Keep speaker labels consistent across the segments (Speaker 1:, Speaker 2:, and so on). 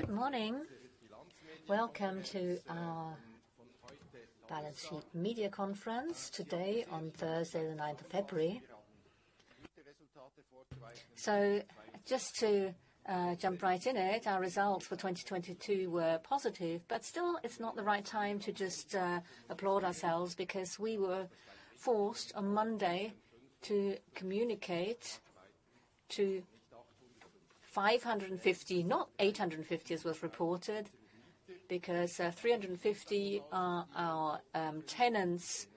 Speaker 1: Good morning. Welcome to our Balance Sheet Media Conference today on Thursday the 9th of February. Just to jump right in it, our results for 2022 were positive, still it's not the right time to applaud ourselves, because we were forced on Monday to communicate to 550, not 850 as was reported, because 350 are our tenants'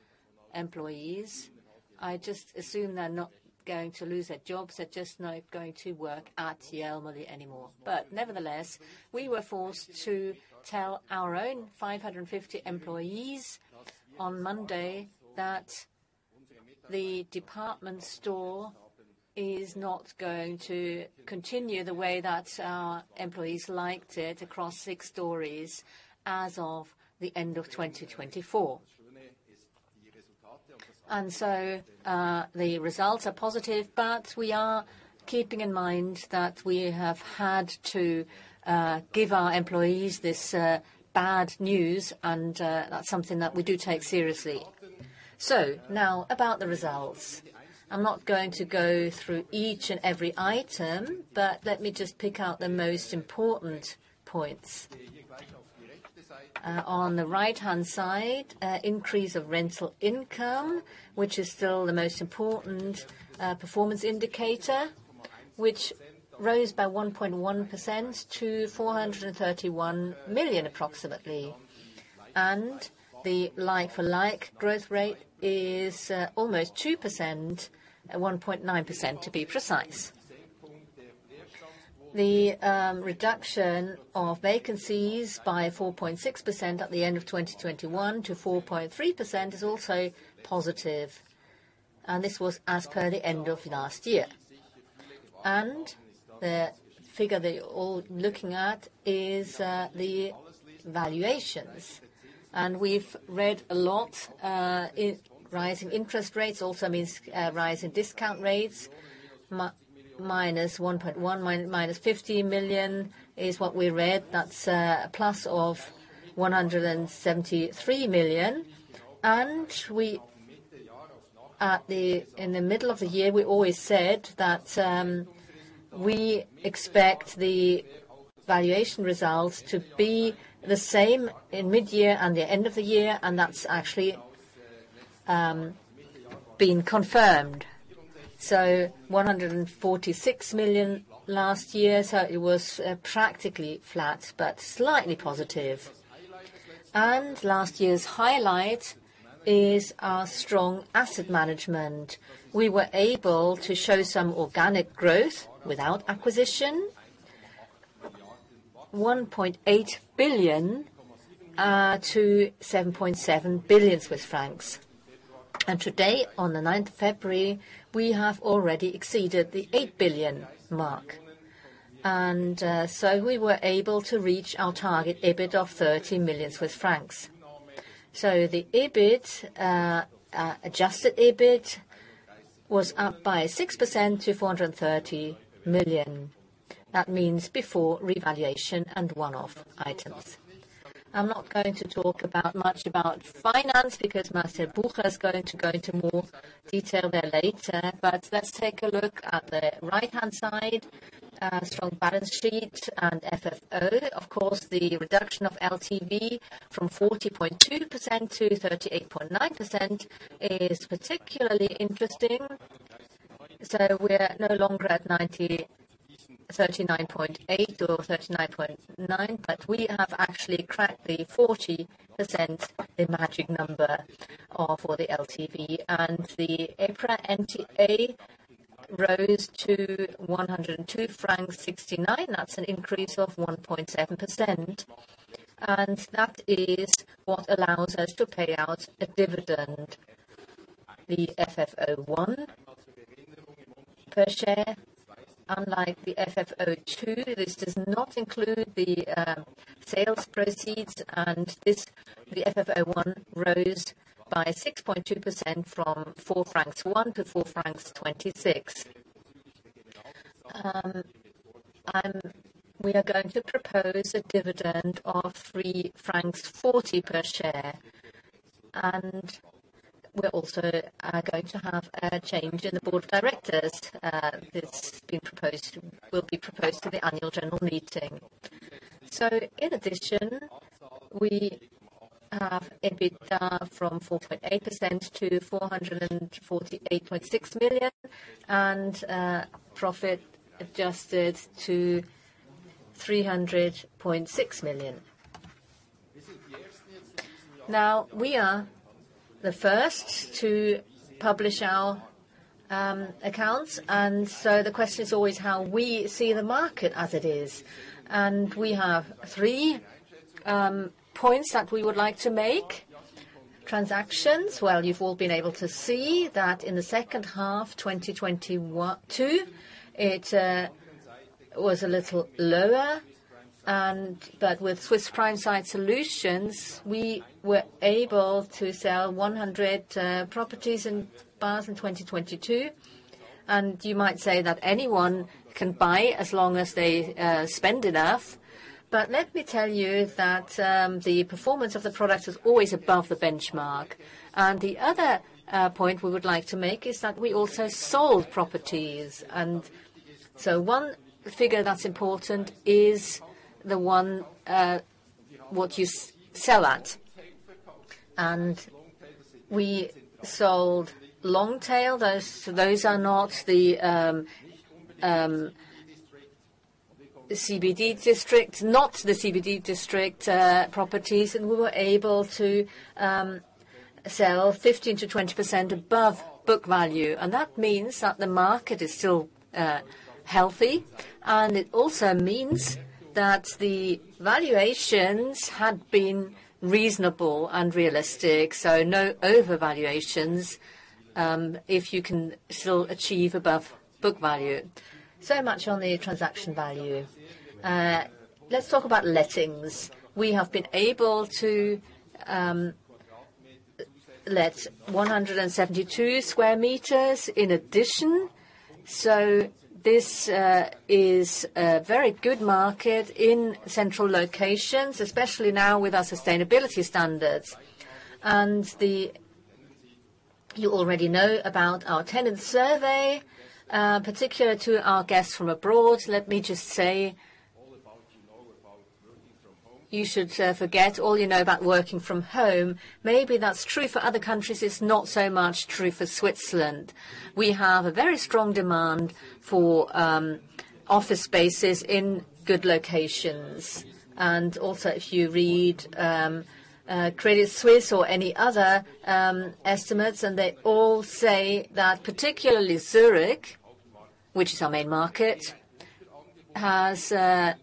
Speaker 1: employees. I just assume they're not going to lose their jobs, they're just not going to work at Jelmoli anymore. Nevertheless, we were forced to tell our own 550 employees on Monday that the department store is not going to continue the way that our employees liked it across six stories as of the end of 2024. The results are positive, but we are keeping in mind that we have had to give our employees this bad news, that's something that we do take seriously. Now about the results. I'm not going to go through each and every item, but let me just pick out the most important points. On the right-hand side, increase of rental income, which is still the most important performance indicator, which rose by 1.1% to 431 million approximately. The like-for-like growth rate is almost 2%, 1.9% to be precise. The reduction of vacancies by 4.6% at the end of 2021 to 4.3% is also positive, and this was as per the end of last year. The figure that you're all looking at is the valuations. We've read a lot in rising interest rates, also means rise in discount rates, -1.1%, -50 million is what we read. That's a plus of 173 million. We, in the middle of the year, we always said that we expect the valuation results to be the same in mid-year and the end of the year, that's actually been confirmed. 146 million last year, it was practically flat, but slightly positive. Last year's highlight is our strong asset management. We were able to show some organic growth without acquisition, 1.8 billion-7.7 billion Swiss francs. Today on the 9th February, we have already exceeded the 8 billion mark. We were able to reach our target EBIT of 30 million Swiss francs. The EBIT, adjusted EBIT was up by 6% to 430 million. That means before revaluation and one-off items. I'm not going to talk about much about finance because Marcel Kucher is going to go into more detail there later. Let's take a look at the right-hand side, strong balance sheet and FFO. Of course, the reduction of LTV from 40.2%-38.9% is particularly interesting. We're no longer at 39.8% or 39.9%, but we have actually cracked the 40%, the magic number, for the LTV. The EPRA NTA rose to 102.69 francs. That's an increase of 1.7%. That is what allows us to pay out a dividend. The FFO one per share, unlike the FFO two, this does not include the sales proceeds and this, the FFO one, rose by 6.2% from 4.01-4.26 francs. We are going to propose a dividend of 3.40 francs per share. We're also are going to have a change in the board of directors that will be proposed to the annual general meeting. In addition, we have EBITDA from 4.8% to 448.6 million and profit adjusted to 300.6 million. We are the first to publish our accounts, the question is always how we see the market as it is. We have three points that we would like to make. Transactions, well, you've all been able to see that in the 2nd half, 2022, it was a little lower but with Swiss Prime Site Solutions, we were able to sell 100 properties and bars in 2022. You might say that anyone can buy as long as they spend enough. Let me tell you that the performance of the product is always above the benchmark. The other point we would like to make is that we also sold properties. One figure that's important is the one what you sell at. We sold long tail. Those, so those are not the CBD district, not the CBD district, properties, and we were able to sell 15%-20% above book value. That means that the market is still healthy, and it also means that the valuations had been reasonable and realistic, so no overvaluations, if you can still achieve above book value. Much on the transaction value. Let's talk about lettings. We have been able to let 172 sq m in addition. This is a very good market in central locations, especially now with our sustainability standards. You already know about our tenant survey. Particular to our guests from abroad, let me just say you should forget all you know about working from home. Maybe that's true for other countries, it's not so much true for Switzerland. We have a very strong demand for office spaces in good locations. If you read Credit Suisse or any other estimates, and they all say that particularly Zurich, which is our main market, has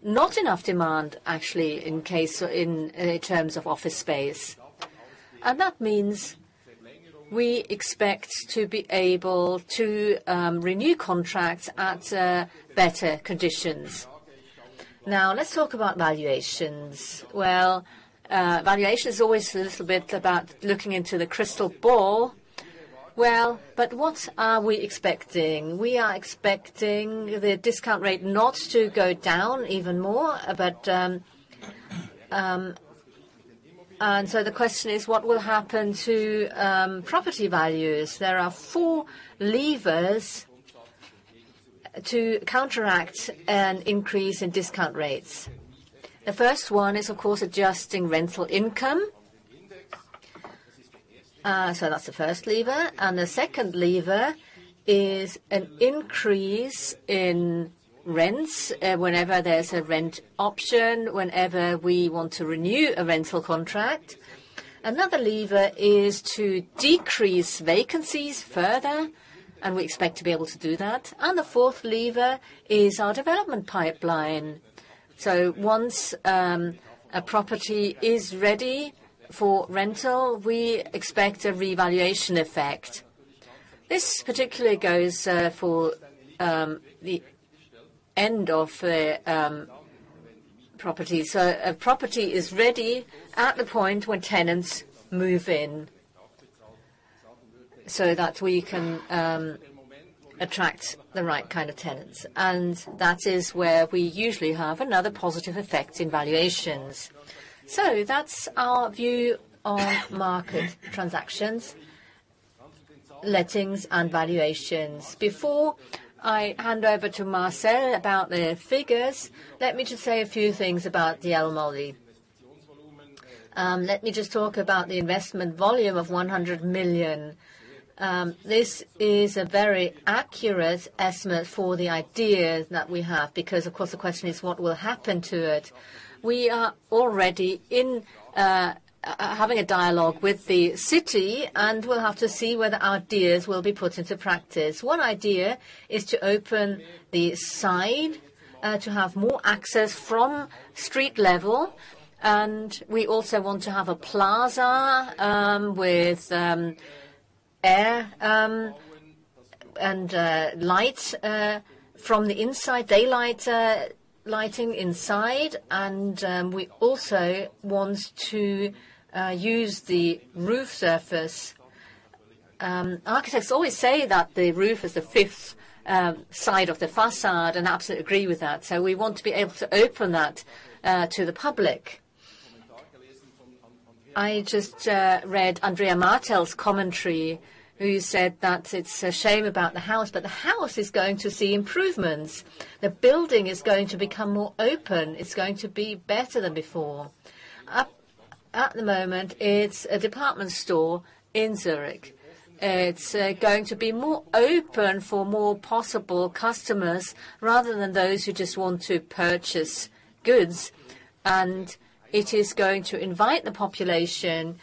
Speaker 1: not enough demand, actually, in terms of office space. That means we expect to be able to renew contracts at better conditions. Now, let's talk about valuations. Well, valuation is always a little bit about looking into the crystal ball. Well, what are we expecting? We are expecting the discount rate not to go down even more, but. The question is, what will happen to property values? There are four levers to counteract an increase in discount rates. The first one is, of course, adjusting rental income. That's the first lever. The second lever is an increase in rents, whenever there's a rent option, whenever we want to renew a rental contract. Another lever is to decrease vacancies further, and we expect to be able to do that. The fourth lever is our development pipeline. Once a property is ready for rental, we expect a revaluation effect. This particularly goes for the end of the property. A property is ready at the point when tenants move in, so that we can attract the right kind of tenants. That is where we usually have another positive effect in valuations. That's our view on market transactions, lettings, and valuations. Before I hand over to Marcel about the figures, let me just say a few things about the Allmend. Let me just talk about the investment volume of 100 million. This is a very accurate estimate for the idea that we have, because of course, the question is what will happen to it. We are already having a dialogue with the city, and we'll have to see whether our ideas will be put into practice. One idea is to open the side to have more access from street level. We also want to have a plaza with air and light from the inside, daylight lighting inside. We also want to use the roof surface. Architects always say that the roof is the fifth side of the facade, and I absolutely agree with that. We want to be able to open that to the public. I just read Andrea Martel's commentary, who said that it's a shame about the house, but the house is going to see improvements. The building is going to become more open. It's going to be better than before. At the moment, it's a department store in Zurich. It's going to be more open for more possible customers rather than those who just want to purchase goods. It is going to invite the population.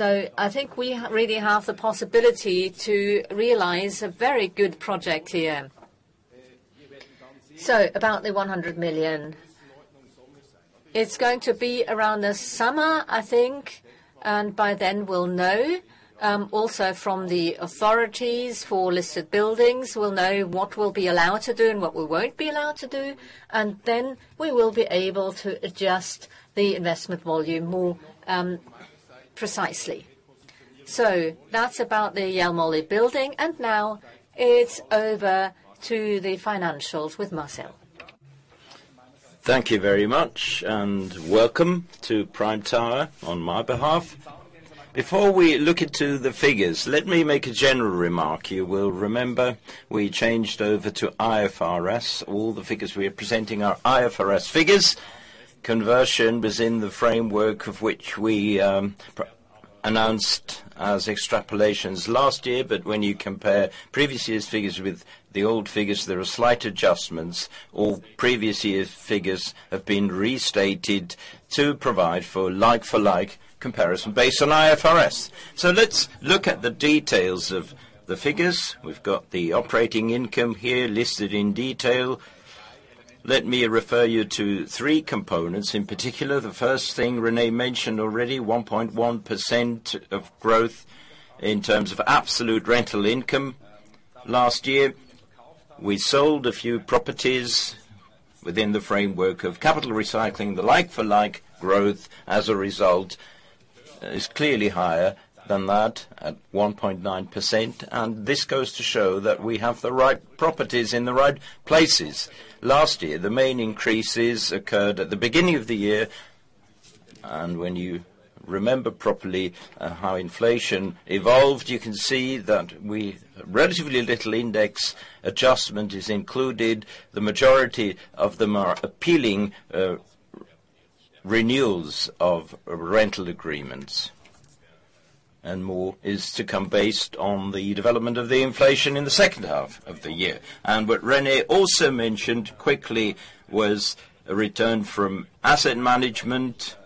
Speaker 1: I think we really have the possibility to realize a very good project here. About the 100 million. It's going to be around the summer, I think. By then we'll know, also from the authorities for listed buildings, we'll know what we'll be allowed to do and what we won't be allowed to do. Then we will be able to adjust the investment volume more precisely. That's about the Jelmoli building. Now it's over to the financials with Marcel.
Speaker 2: Thank you very much, welcome to Prime Tower on my behalf. Before we look into the figures, let me make a general remark. You will remember we changed over to IFRS. All the figures we are presenting are IFRS figures. Conversion was in the framework of which we announced as extrapolations last year. When you compare previous year's figures with the old figures, there are slight adjustments. All previous year's figures have been restated to provide for like-for-like comparison based on IFRS. Let's look at the details of the figures. We've got the operating income here listed in detail. Let me refer you to three components, in particular. The first thing René mentioned already, 1.1% of growth in terms of absolute rental income. Last year, we sold a few properties within the framework of capital recycling. The like-for-like growth as a result is clearly higher than that at 1.9%. This goes to show that we have the right properties in the right places. Last year, the main increases occurred at the beginning of the year. When you remember properly how inflation evolved, you can see that Relatively little index adjustment is included. The majority of them are appealing renewals of rental agreements. More is to come based on the development of the inflation in the 2nd half of the year. What René also mentioned quickly was a return from asset management,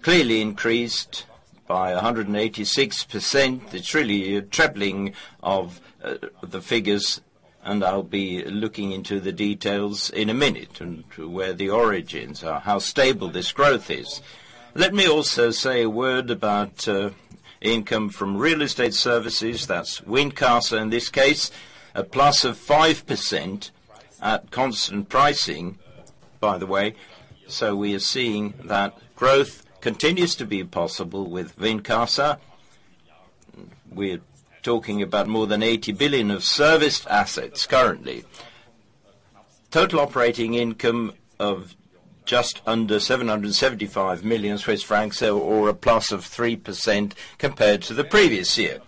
Speaker 2: clearly increased by 186%. It's really a trebling of the figures, and I'll be looking into the details in a minute, and to where the origins are, how stable this growth is. Let me also say a word about income from real estate services. That's Wincasa in this case. A plus of 5% at constant pricing, by the way. We are seeing that growth continues to be possible with Wincasa. We're talking about more than 80 billion of serviced assets currently. Total operating income of just under 775 million Swiss francs. A plus of 3% compared to the previous year.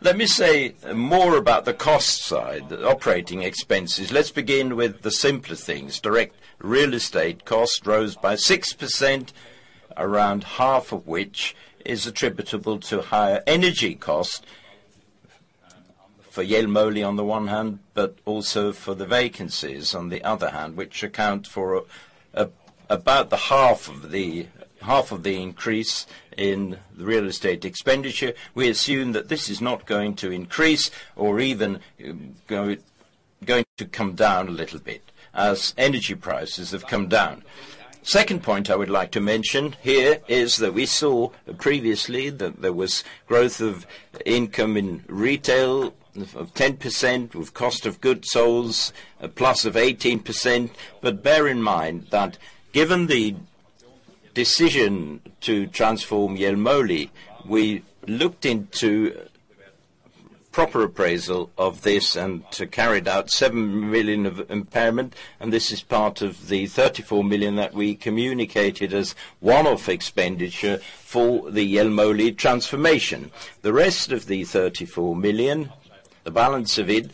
Speaker 2: Let me say more about the cost side, operating expenses. Let's begin with the simpler things. Direct real estate cost rose by 6%, around half of which is attributable to higher energy costs for Jelmoli on the one hand, but also for the vacancies on the other hand, which account for about the half of the increase in the real estate expenditure. We assume that this is not going to increase or even going to come down a little bit as energy prices have come down. Second point I would like to mention here is that we saw previously that there was growth of income in retail of 10%, with cost of goods sold a plus of 18%. Bear in mind that given the decision to transform Jelmoli, we looked into proper appraisal of this and carried out 7 million of impairment, and this is part of the 34 million that we communicated as one-off expenditure for the Jelmoli transformation. The rest of the 34 million, the balance of it,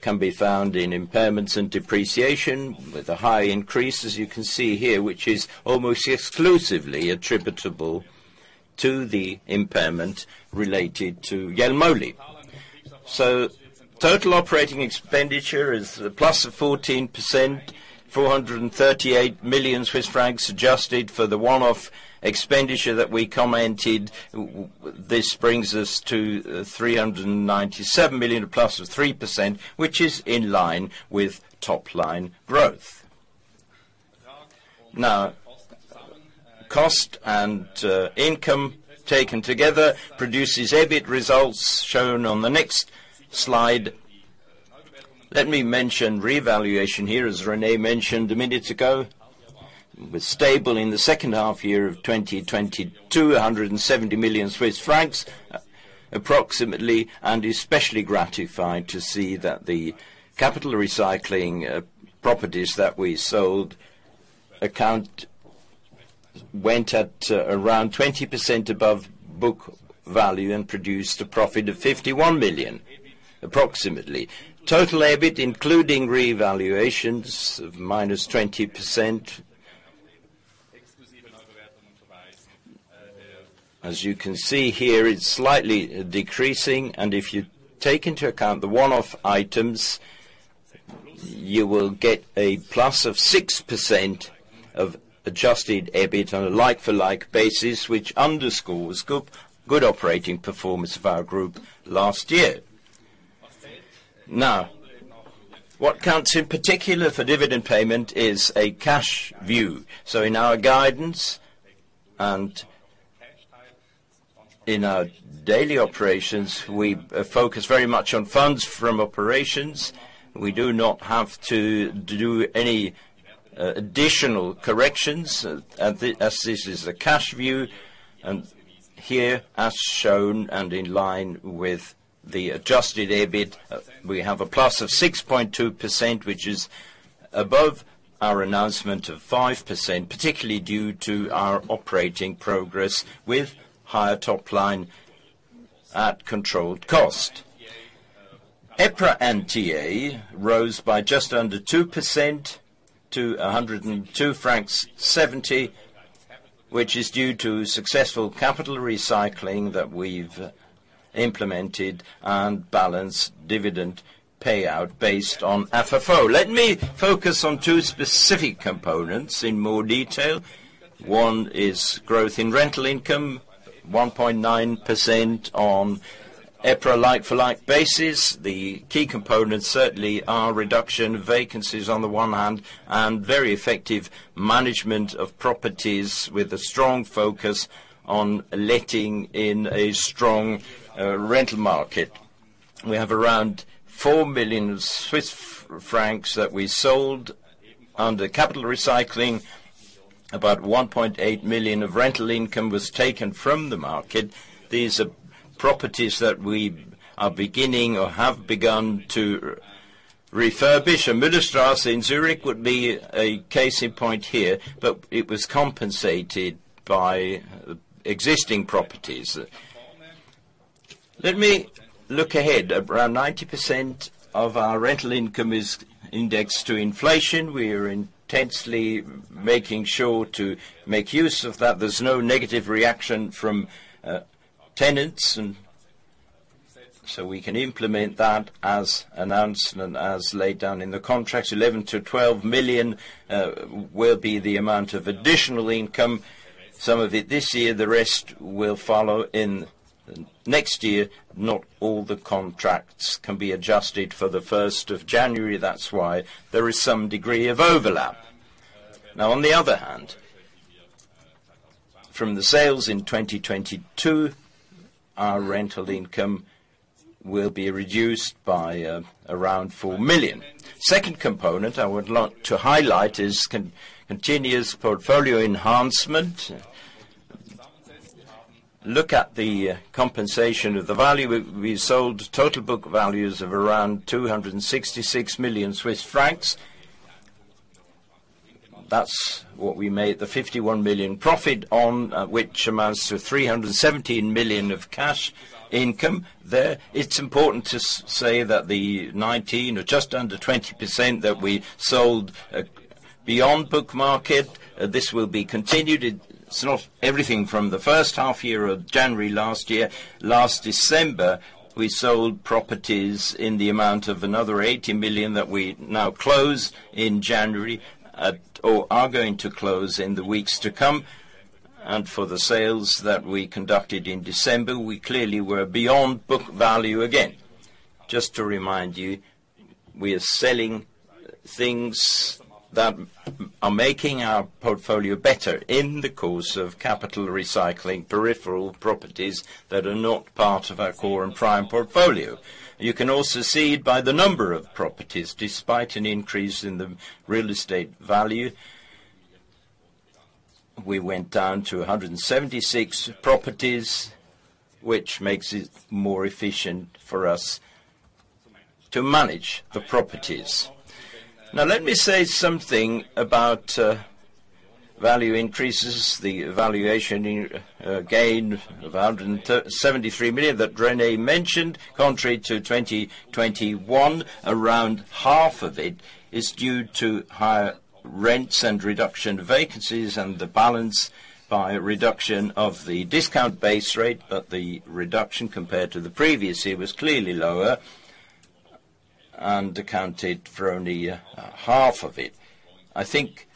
Speaker 2: can be found in impairments and depreciation, with a high increase, as you can see here, which is almost exclusively attributable to the impairment related to Jelmoli. Total operating expenditure is +14%, 438 million Swiss francs, adjusted for the one-off expenditure that we commented. This brings us to 397 million, a plus of 3%, which is in line with top-line growth. Cost and income taken together produces EBIT results shown on the next slide. Let me mention revaluation here. As René mentioned a minute ago, it was stable in the 2nd half year of 2022, 170 million Swiss francs, approximately. Especially gratified to see that the capital recycling properties that we sold account went at around 20% above book value and produced a profit of 51 million, approximately. Total EBIT, including revaluations of -20%. As you can see here, it's slightly decreasing, and if you take into account the one-off items, you will get a plus of 6% of adjusted EBIT on a like-for-like basis, which underscores good operating performance of our group last year. What counts in particular for dividend payment is a cash view. In our guidance and in our daily operations, we focus very much on funds from operations. We do not have to do any additional corrections, as this is a cash view. Here, as shown and in line with the adjusted EBIT, we have a plus of 6.2%, which is above our announcement of 5%, particularly due to our operating progress with higher top line at controlled cost. EPRA NTA rose by just under 2% to 102.70 francs, which is due to successful capital recycling that we've implemented and balanced dividend payout based on AFFO. Let me focus on two specific components in more detail. One is growth in rental income, 1.9% on EPRA like-for-like basis. The key components certainly are reduction of vacancies on the one hand, and very effective management of properties with a strong focus on letting in a strong rental market. We have around 4 million Swiss francs that we sold under capital recycling. About 1.8 million of rental income was taken from the market. These are properties that we are beginning or have begun to refurbish. Müllerstrasse in Zurich would be a case in point here, but it was compensated by existing properties. Let me look ahead. Around 90% of our rental income is indexed to inflation. We are intensely making sure to make use of that. There's no negative reaction from tenants, we can implement that as announced and as laid down in the contracts. 11 million-12 million will be the amount of additional income, some of it this year, the rest will follow in next year. Not all the contracts can be adjusted for the 1st of January. That's why there is some degree of overlap. On the other hand, from the sales in 2022, our rental income will be reduced by around 4 million. Second component I would like to highlight is continuous portfolio enhancement. Look at the compensation of the value. We sold total book values of around 266 million Swiss francs. That's what we made the 51 million profit on, which amounts to 317 million of cash income. There, it's important to say that the 19% or just under 20% that we sold beyond book market, this will be continued. It's not everything from the 1st half year of January last year. Last December, we sold properties in the amount of another 80 million that we now close in January at, or are going to close in the weeks to come. For the sales that we conducted in December, we clearly were beyond book value again. Just to remind you, we are selling things that are making our portfolio better in the course of capital recycling peripheral properties that are not part of our core and prime portfolio. You can also see by the number of properties, despite an increase in the real estate value, we went down to 176 properties, which makes it more efficient for us to manage the properties. Let me say something about value increases. The valuation in gain of 173 million that René mentioned, contrary to 2021, around half of it is due to higher rents and reduction of vacancies and the balance by reduction of the discount base rate, the reduction compared to the previous year was clearly lower and accounted for only half of it. I think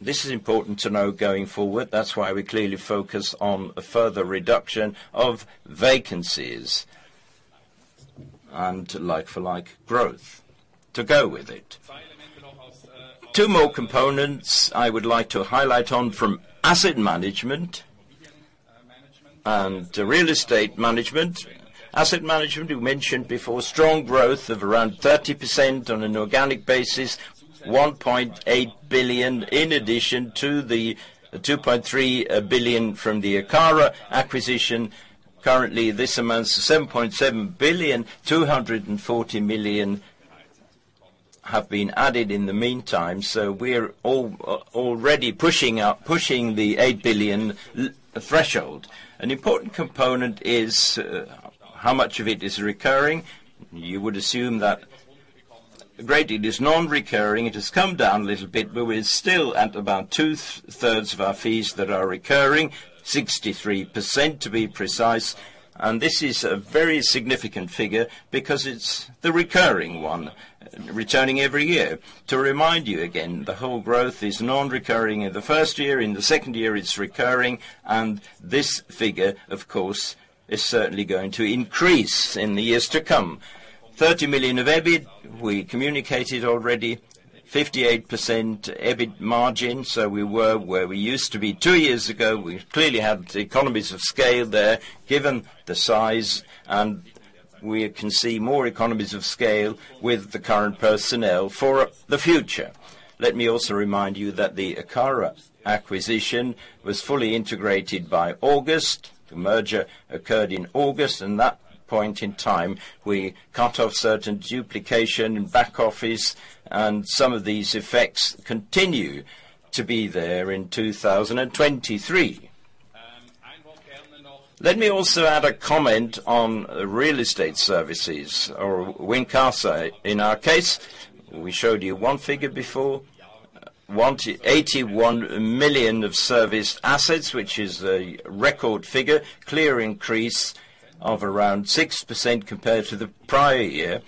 Speaker 2: this is important to know going forward. We clearly focus on a further reduction of vacancies and like-for-like growth to go with it. Two more components I would like to highlight on from asset management and real estate management. Asset management, we mentioned before, strong growth of around 30% on an organic basis, 1.8 billion in addition to the 2.3 billion from the Akara acquisition. Currently, this amounts to 7.7 billion. 240 million have been added in the meantime. We're already pushing up, pushing the 8 billion threshold. An important component is how much of it is recurring. You would assume that a great deal is non-recurring. It has come down a little bit, but we're still at about 2/3 of our fees that are recurring, 63% to be precise. This is a very significant figure because it's the recurring one returning every year. To remind you again, the whole growth is non-recurring in the first year. In the second year, it's recurring. This figure, of course, is certainly going to increase in the years to come. 30 million of EBIT, we communicated already. 58% EBIT margin, we were where we used to be two years ago. We clearly have the economies of scale there, given the size and we can see more economies of scale with the current personnel for the future. Let me also remind you that the Akara acquisition was fully integrated by August. The merger occurred in August. In that point in time, we cut off certain duplication in back office, and some of these effects continue to be there in 2023. Let me also add a comment on real estate services or Wincasa. In our case, we showed you one figure before. 1 million-81 million of serviced assets, which is a record figure. Clear increase of around 6% compared to the prior year.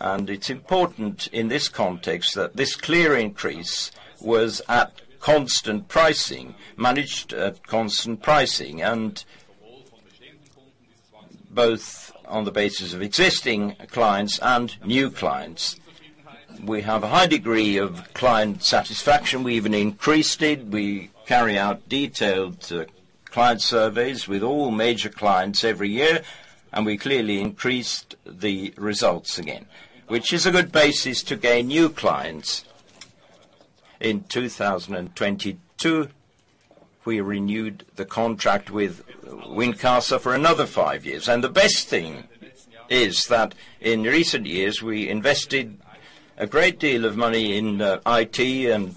Speaker 2: It's important in this context that this clear increase was at constant pricing, managed at constant pricing and both on the basis of existing clients and new clients. We have a high degree of client satisfaction. We even increased it. We carry out detailed client surveys with all major clients every year, and we clearly increased the results again. Which is a good basis to gain new clients. In 2022, we renewed the contract with Wincasa for another five years. The best thing is that in recent years, we invested a great deal of money in IT and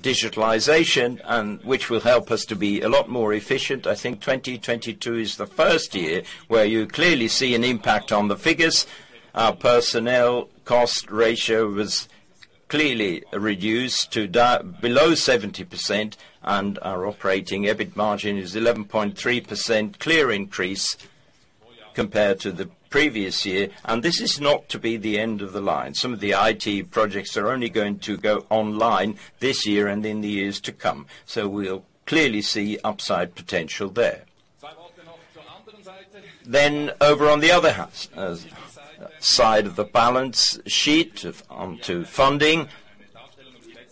Speaker 2: digitalization and which will help us to be a lot more efficient. I think 2022 is the first year where you clearly see an impact on the figures. Our personnel cost ratio was clearly reduced to below 70%, our operating EBIT margin is 11.3%, clear increase compared to the previous year. This is not to be the end of the line. Some of the IT projects are only going to go online this year and in the years to come. We'll clearly see upside potential there. Over on the other house side of the balance sheet, onto funding.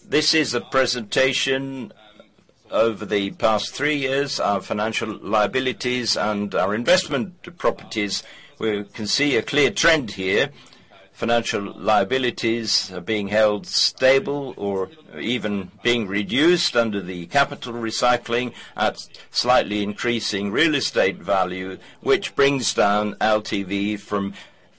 Speaker 2: This is a presentation over the past three years, our financial liabilities and our investment properties. We can see a clear trend here. Financial liabilities are being held stable or even being reduced under the capital recycling at slightly increasing real estate value, which brings down LTV from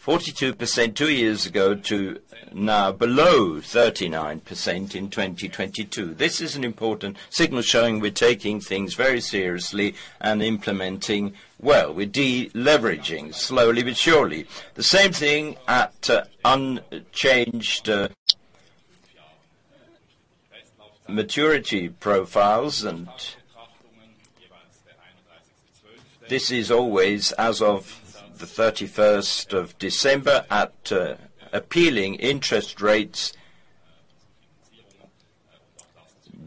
Speaker 2: 42%, two years ago to now below 39% in 2022. This is an important signal showing we're taking things very seriously and implementing well. We're deleveraging slowly but surely. The same thing at unchanged maturity profiles and. This is always as of the 31st of December at appealing interest rates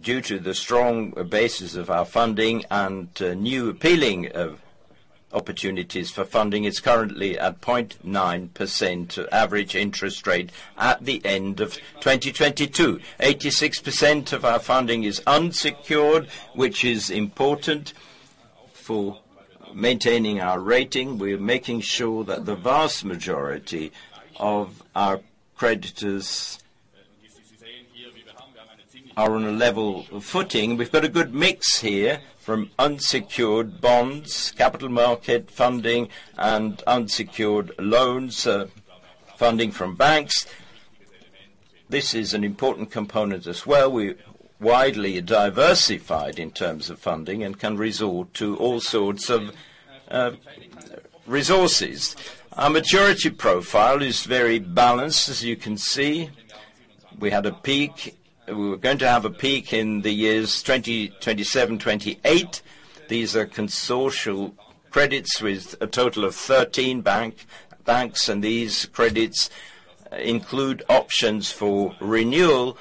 Speaker 2: due to the strong basis of our funding and new appealing of opportunities for funding is currently at 0.9% average interest rate at the end of 2022. 86% of our funding is unsecured, which is important for maintaining our rating. We're making sure that the vast majority of our creditors are on a level footing. We've got a good mix here from unsecured bonds, capital market funding and unsecured loans, funding from banks. This is an important component as well. We're widely diversified in terms of funding and can resort to all sorts of resources. Our maturity profile is very balanced, as you can see. We had a peak. We were going to have a peak in the years 2027, 2028. These are consortial credits with a total of 13 banks. These credits include options for renewal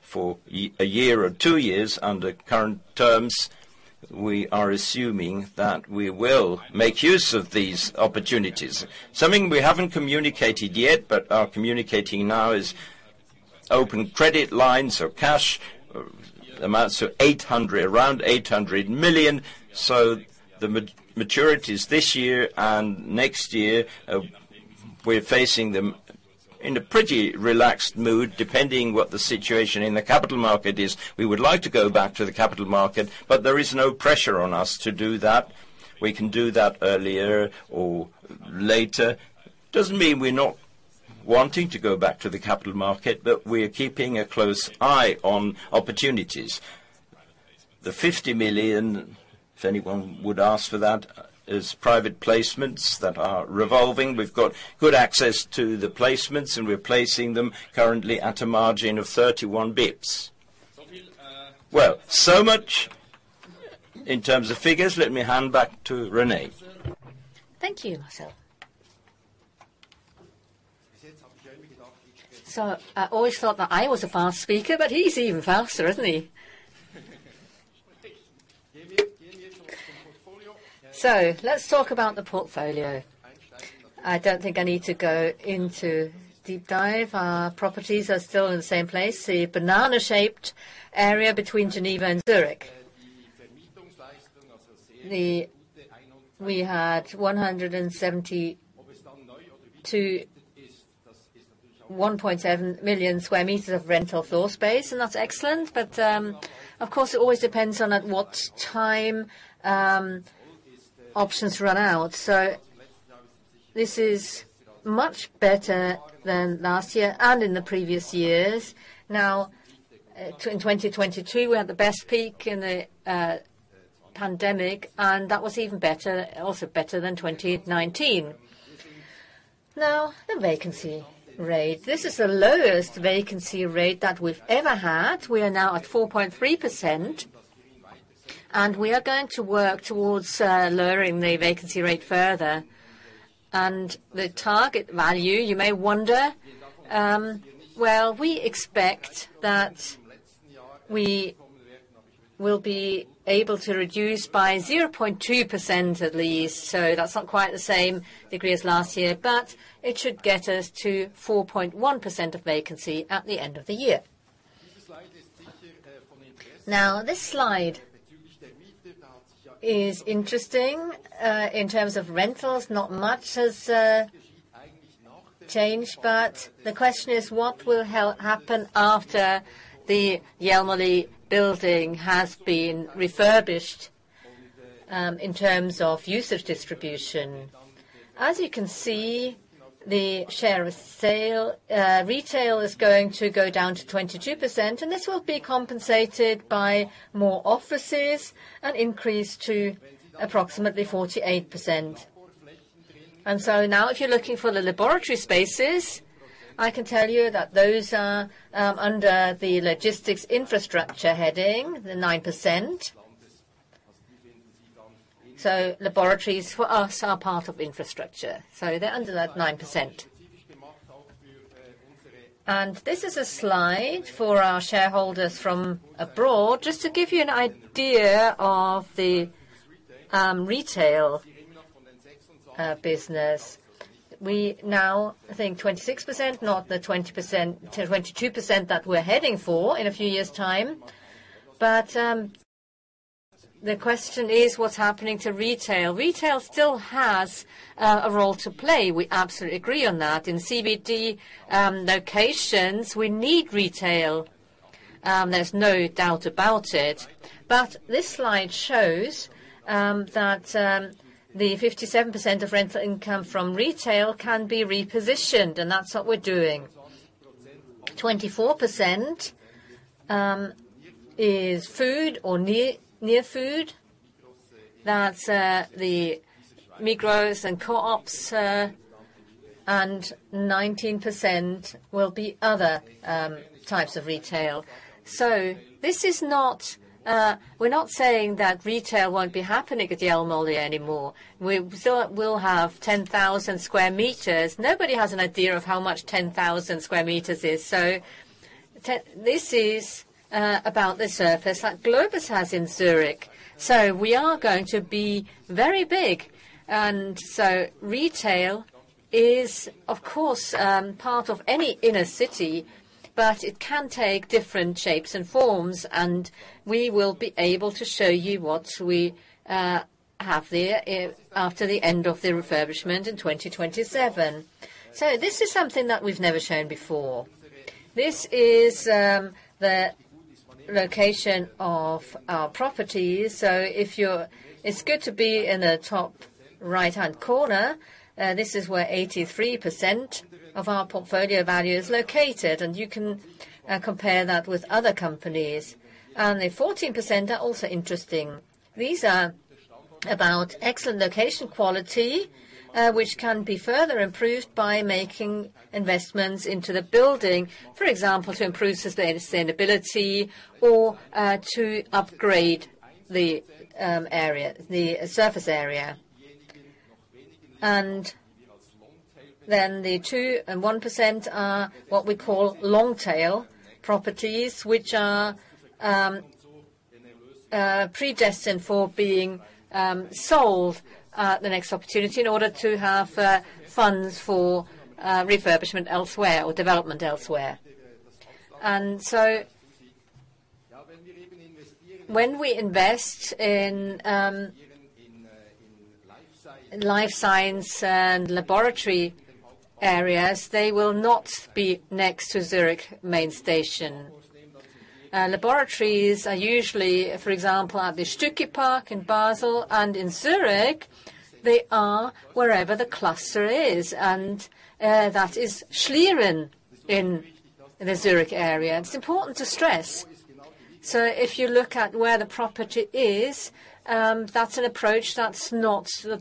Speaker 2: for a year or two years. Under current terms, we are assuming that we will make use of these opportunities. Something we haven't communicated yet, but are communicating now is open credit lines or cash amounts to around 800 million. The maturities this year and next year, we're facing them in a pretty relaxed mood, depending what the situation in the capital market is. We would like to go back to the capital market. There is no pressure on us to do that. We can do that earlier or later. Doesn't mean we're not wanting to go back to the capital market. We're keeping a close eye on opportunities. The 50 million, if anyone would ask for that, is private placements that are revolving. We've got good access to the placements, and we're placing them currently at a margin of 31 bips. So much in terms of figures. Let me hand back to René.
Speaker 1: Thank you, Marcel. I always thought that I was a fast speaker, but he's even faster, isn't he? Let's talk about the portfolio. I don't think I need to go into deep dive. Our properties are still in the same place, the banana-shaped area between Geneva and Zurich. We had 170 to 1.7 million sq m of rental floor space. That's excellent. Of course, it always depends on at what time options run out. This is much better than last year and in the previous years. In 2022, we had the best peak in the pandemic, that was even better, also better than 2019. The vacancy rate. This is the lowest vacancy rate that we've ever had. We are now at 4.3%, we are going to work towards lowering the vacancy rate further. The target value, you may wonder, well, we expect that we will be able to reduce by 0.2% at least. That's not quite the same degree as last year, but it should get us to 4.1% of vacancy at the end of the year. Now, this slide is interesting. In terms of rentals, not much has changed, but the question is, what will happen after the Jelmoli building has been refurbished in terms of usage distribution? As you can see, the share of sale, retail is going to go down to 22%, and this will be compensated by more offices and increase to approximately 48%. Now if you're looking for the laboratory spaces, I can tell you that those are under the logistics infrastructure heading, the 9%. Laboratories for us are part of infrastructure, so they're under that 9%. This is a slide for our shareholders from abroad, just to give you an idea of the retail business. We now think 26%, not the 20%-22% that we're heading for in a few years' time. The question is, what's happening to retail? Retail still has a role to play. We absolutely agree on that. In CBD locations, we need retail. There's no doubt about it. This slide shows that the 57% of rental income from retail can be repositioned, and that's what we're doing. 24% is food or near food. That's the Migros and Coop, and 19% will be other types of retail. This is not, we're not saying that retail won't be happening at Jelmoli anymore. We still will have 10,000 sq m. Nobody has an idea of how much 10,000 sq m is. This is about the surface that Globus has in Zurich. We are going to be very big. Retail is, of course, part of any inner city, but it can take different shapes and forms, and we will be able to show you what we have there after the end of the refurbishment in 2027. This is something that we've never shown before. This is the location of our properties. It's good to be in the top right-hand corner. This is where 83% of our portfolio value is located, and you can compare that with other companies. The 14% are also interesting. These are about excellent location quality, which can be further improved by making investments into the building, for example, to improve the sustainability or to upgrade the area, the surface area. Then the 2% and 1% are what we call long tail properties, which are predestined for being sold at the next opportunity in order to have funds for refurbishment elsewhere or development elsewhere. When we invest in life science and laboratory areas, they will not be next to Zurich main station. Laboratories are usually, for example, at the Stücki Park in Basel. In Zurich, they are wherever the cluster is, that is Schlieren in the Zurich area. It's important to stress. If you look at where the property is, that's an approach that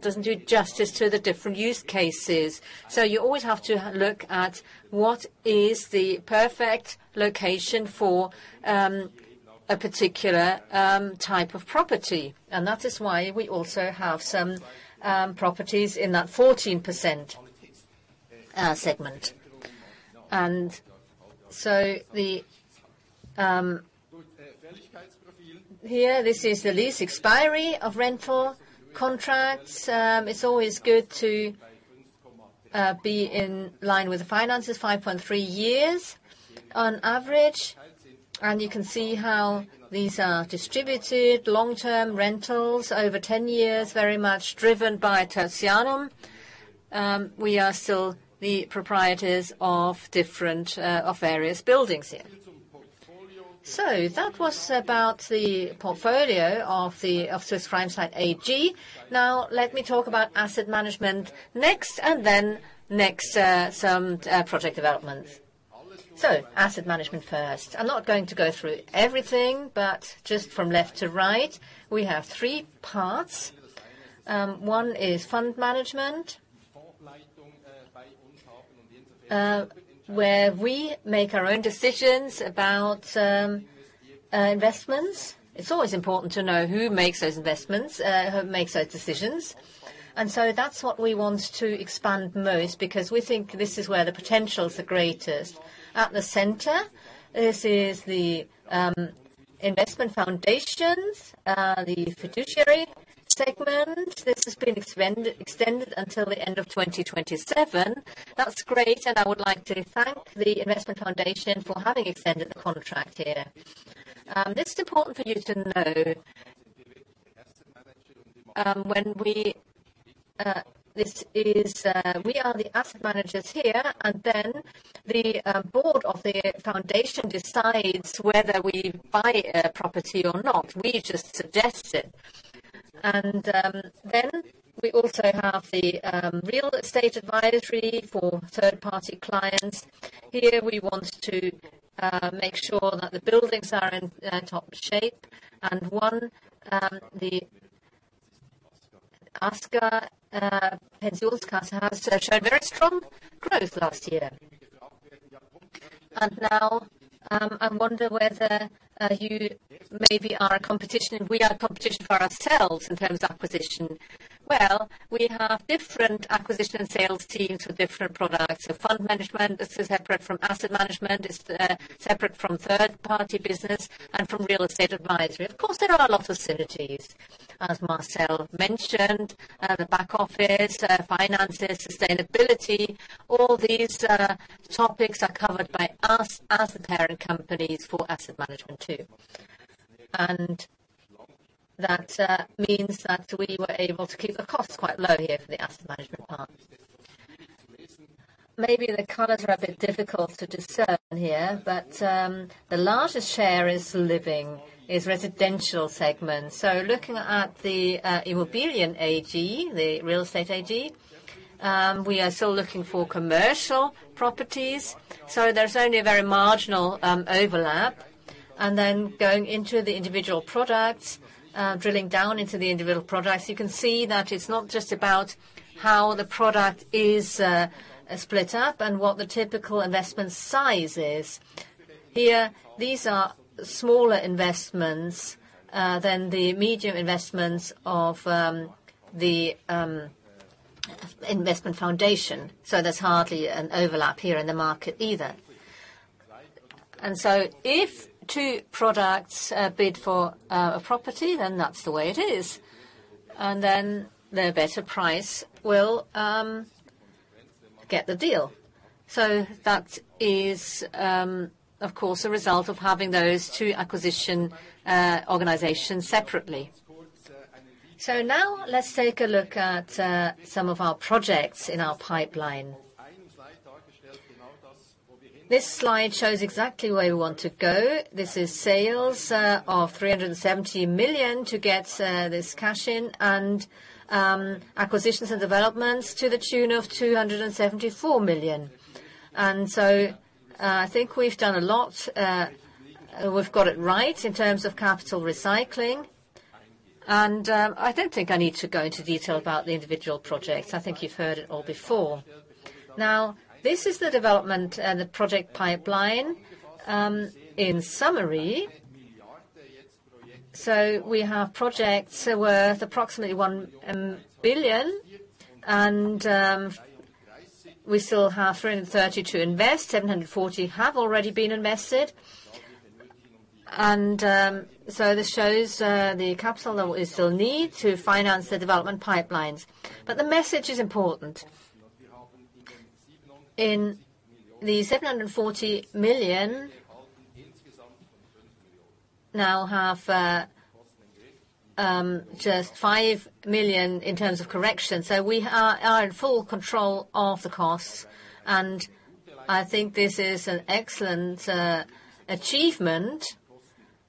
Speaker 1: doesn't do justice to the different use cases. You always have to look at what is the perfect location for a particular type of property. That is why we also have some properties in that 14% segment. Here, this is the lease expiry of rental contracts. It's always good to be in line with the finances, 5.3 years on average. You can see how these are distributed. Long-term rentals over 10 years, very much driven by Tertianum. We are still the proprietors of various buildings here. That was about the portfolio of Swiss Prime Site AG. Let me talk about asset management next, some project developments. Asset management first. I'm not going to go through everything, but just from left to right, we have three parts. One is fund management. Where we make our own decisions about investments. It's always important to know who makes those investments, who makes those decisions. That's what we want to expand most because we think this is where the potential is the greatest. At the center, this is the investment foundations, the fiduciary segment. This has been extended until the end of 2027. That's great, and I would like to thank the investment foundation for having extended the contract here. It's important for you to know, when we, this is, we are the asset managers here, the board of the foundation decides whether we buy a property or not. We just suggest it. Then we also have the real estate advisory for third-party clients. Here we want to make sure that the buildings are in top shape. One, the Asger Penzul's Casa has shown very strong growth last year. Now, I wonder whether you maybe we are competition for ourselves in terms of acquisition. We have different acquisition sales teams with different products. Fund management, this is separate from asset management, it's separate from third-party business and from real estate advisory. Of course, there are a lot of synergies. As Marcel mentioned, the back office, finances, sustainability, all these topics are covered by us as the parent companies for asset management too. That means that we were able to keep the costs quite low here for the asset management part. Maybe the colors are a bit difficult to discern here, but the largest share is living, is residential segment. Looking at the Immobilien AG, the real estate AG, we are still looking for commercial properties, so there's only a very marginal overlap. Going into the individual products, drilling down into the individual products, you can see that it's not just about how the product is split up and what the typical investment size is. Here, these are smaller investments than the medium investments of the investment foundation. There's hardly an overlap here in the market either. If two products bid for a property, then that's the way it is. The better price will get the deal. That is, of course, a result of having those two acquisition organizations separately. Now let's take a look at some of our projects in our pipeline. This slide shows exactly where we want to go. This is sales of 370 million to get this cash in and acquisitions and developments to the tune of 274 million. I think we've done a lot. We've got it right in terms of capital recycling. I don't think I need to go into detail about the individual projects. I think you've heard it all before. This is the development, the project pipeline, in summary. We have projects worth approximately 1 billion, and we still have 330 million to invest. 740 million have already been invested. This shows the capital that we still need to finance the development pipelines. The message is important. In the CHF 740 million, now have just 5 million in terms of correction. We are in full control of the costs, and I think this is an excellent achievement,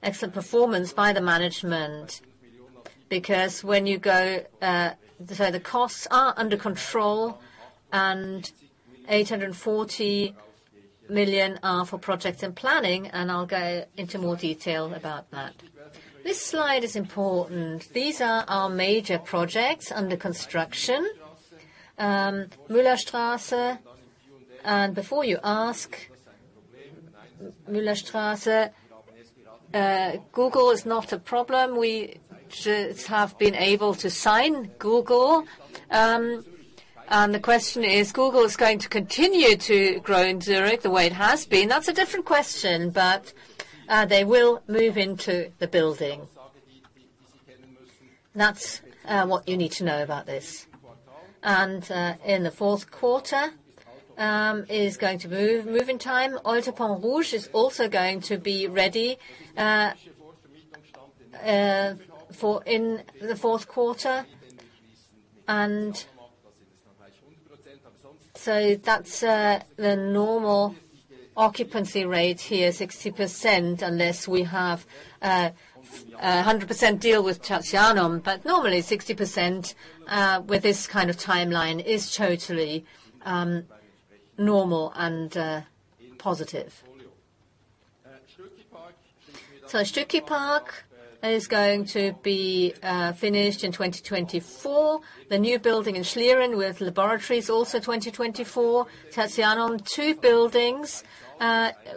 Speaker 1: excellent performance by the management. When you go, the costs are under control, 840 million are for projects and planning, and I'll go into more detail about that. This slide is important. These are our major projects under construction. Müllerstraße. Before you ask, Müllerstraße, Google is not a problem. We just have been able to sign Google. The question is, Google is going to continue to grow in Zurich the way it has been. That's a different question, they will move into the building. That's what you need to know about this. In the 4th quarter is going to move in time. Alto Pont-Rouge is also going to be ready in the 4th quarter. That's the normal occupancy rate here, 60%, unless we have a 100% deal with Tertianum. Normally, 60% with this kind of timeline is totally normal and positive. Stücki Park is going to be finished in 2024. The new building in Schlieren with laboratories, also 2024. Tertianum, two buildings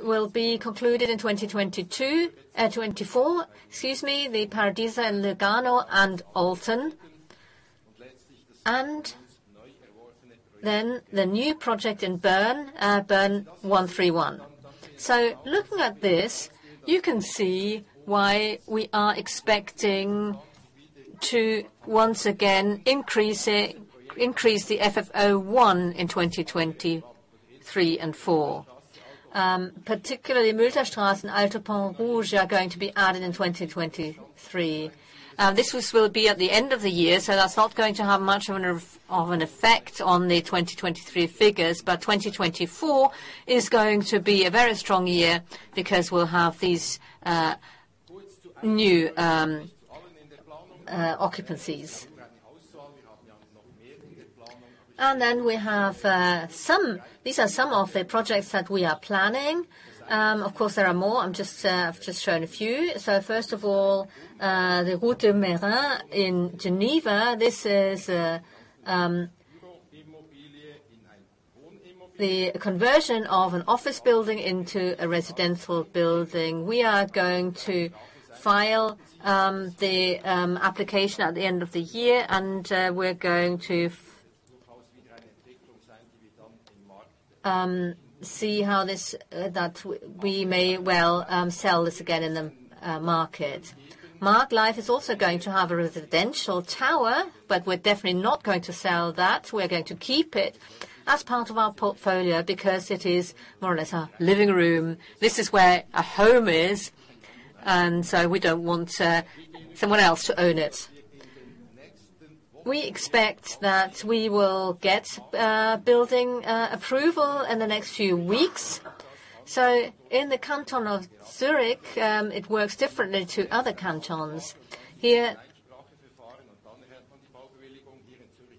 Speaker 1: will be concluded in 2022, 2024, excuse me, the Paradiso in Lugano and Olten. Then the new project in Bern, BERN 131. Looking at this, you can see why we are expecting to once again increase the FFO one in 2023 and 2024. Particularly Müllerstrasse and Alto Pont-Rouge are going to be added in 2023. This will be at the end of the year, so that's not going to have much of an effect on the 2023 figures. 2024 is going to be a very strong year because we'll have these new occupancies. Then we have some. These are some of the projects that we are planning. Of course, there are more. I've just shown a few. First of all, the Route de Meyrin in Geneva, this is the conversion of an office building into a residential building. We are going to file the application at the end of the year, and we're going to see how this, that we may well sell this again in the market. Mark-Life is also going to have a residential tower. We're definitely not going to sell that. We're going to keep it as part of our portfolio because it is more or less our living room. This is where a home is. We don't want someone else to own it. We expect that we will get building approval in the next few weeks. In the canton of Zurich, it works differently to other cantons. Here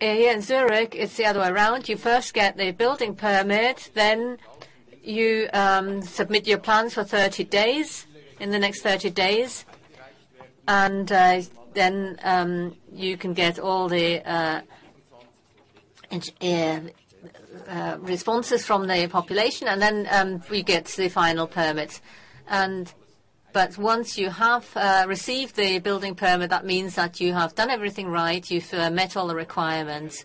Speaker 1: in Zurich, it's the other way around. You first get the building permit, then you submit your plans for 30 days, in the next 30 days. Then you can get all the responses from the population, and then we get the final permit. But once you have received the building permit, that means that you have done everything right, you've met all the requirements.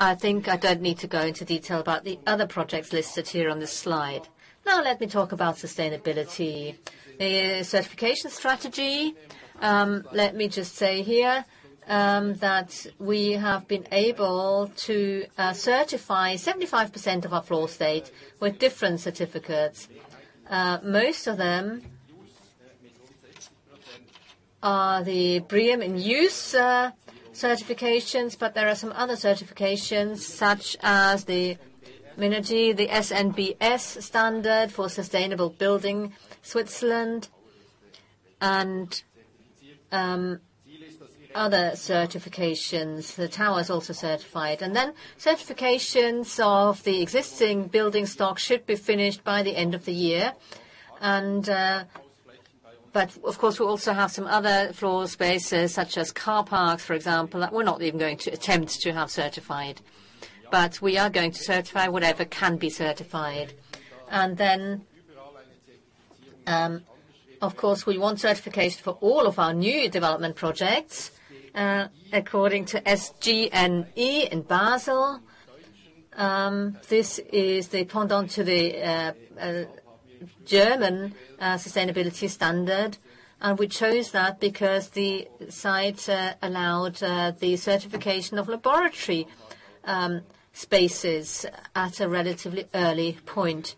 Speaker 1: I think I don't need to go into detail about the other projects listed here on this slide. Now let me talk about sustainability. The certification strategy, let me just say here, that we have been able to certify 75% of our floor state with different certificates. Most of them are the BREEAM In-Use certifications, but there are some other certifications such as the Minergie, the SNBS standard for sustainable building Switzerland, and other certifications. The tower is also certified. Certifications of the existing building stock should be finished by the end of the year. Of course, we also have some other floor spaces, such as car parks, for example, that we're not even going to attempt to have certified. We are going to certify whatever can be certified. Of course, we want certification for all of our new development projects according to SGNI in Basel. This is the pendant to the German sustainability standard. We chose that because the site allowed the certification of laboratory spaces at a relatively early point.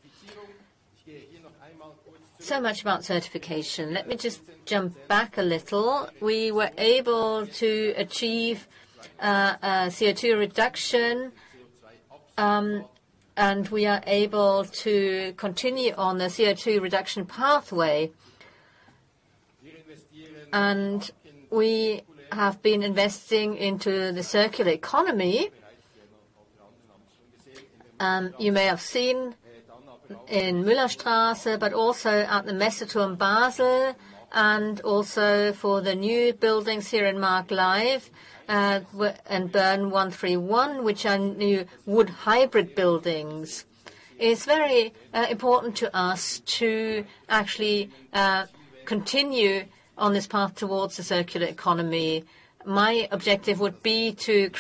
Speaker 1: So much about certification. Let me just jump back a little. We were able to achieve CO2 reduction, and we are able to continue on the CO2 reduction pathway. We have been investing into the circular economy. You may have seen in Müllerstrasse, but also at the Messeturm Basel, and also for the new buildings here in Mark-Life, and BERN 131, which are new wood hybrid buildings. It's very important to us to actually continue on this path towards the circular economy. My objective would be to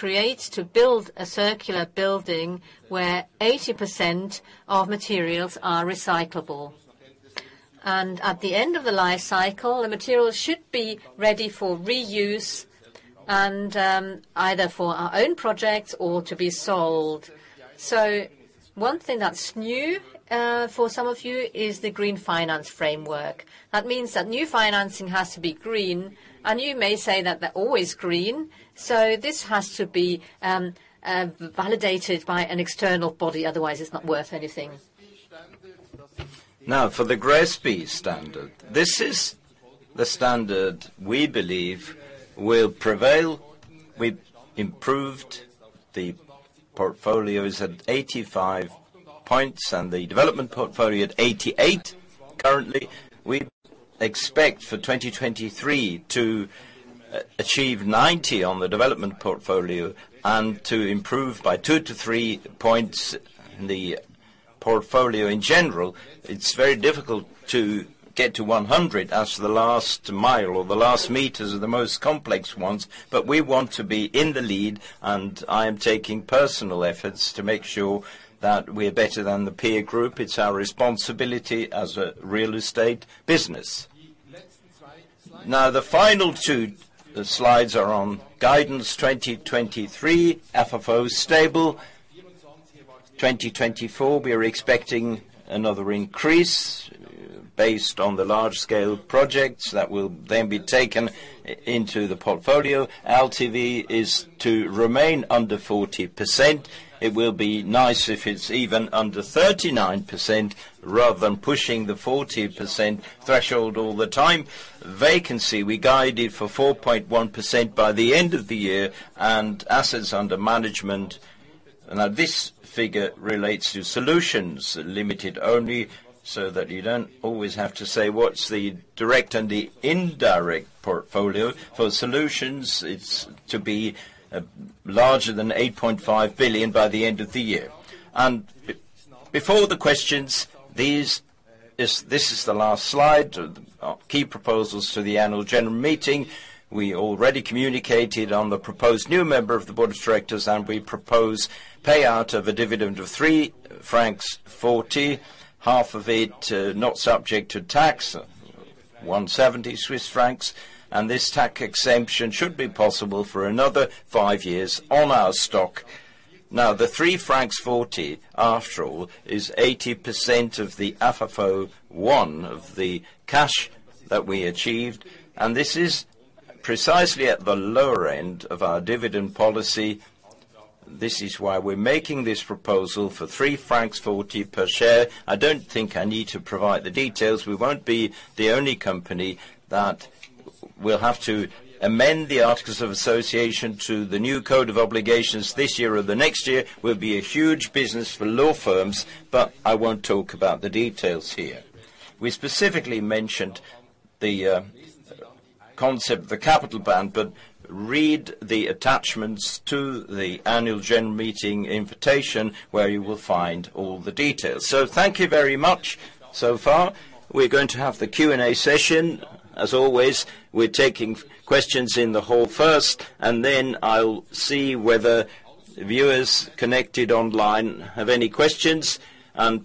Speaker 1: build a circular building where 80% of materials are recyclable. At the end of the life cycle, the materials should be ready for reuse and, either for our own projects or to be sold. One thing that's new, for some of you is the green finance framework. That means that new financing has to be green, and you may say that they're always green, so this has to be validated by an external body, otherwise it's not worth anything.
Speaker 2: For the GRESB standard, this is the standard we believe will prevail. We improved the portfolios at 85 points and the development portfolio at 88 currently. We expect for 2023 to achieve 90 on the development portfolio and to improve by two to three points the portfolio in general. It's very difficult to get to 100 as the last mile or the last meters are the most complex ones, but we want to be in the lead, and I am taking personal efforts to make sure that we're better than the peer group. It's our responsibility as a real estate business. The final two slides are on guidance 2023, FFO stable. 2024, we are expecting another increase based on the large-scale projects that will then be taken into the portfolio. LTV is to remain under 40%. It will be nice if it's even under 39% rather than pushing the 40% threshold all the time. Vacancy, we guided for 4.1% by the end of the year. Assets under management, now this figure relates to Solutions limited only so that you don't always have to say what's the direct and the indirect portfolio. For Solutions, it's to be larger than 8.5 billion by the end of the year. Before the questions, this is the last slide. Our key proposals to the annual general meeting. We already communicated on the proposed new member of the board of directors, and we propose payout of a dividend of 3.40 francs, half of it, not subject to tax, 1.70 Swiss francs. This tax exemption should be possible for another five years on our stock. The 3.40 francs, after all, is 80% of the FFO, one of the cash that we achieved. This is precisely at the lower end of our dividend policy. This is why we're making this proposal for 3.40 francs per share. I don't think I need to provide the details. We won't be the only company that will have to amend the articles of association to the new code of obligations this year or the next year. Will be a huge business for law firms, but I won't talk about the details here. We specifically mentioned the concept, the capital band, but read the attachments to the annual general meeting invitation, where you will find all the details. Thank you very much so far. We're going to have the Q&A session. Always, we're taking questions in the hall first, then I'll see whether viewers connected online have any questions.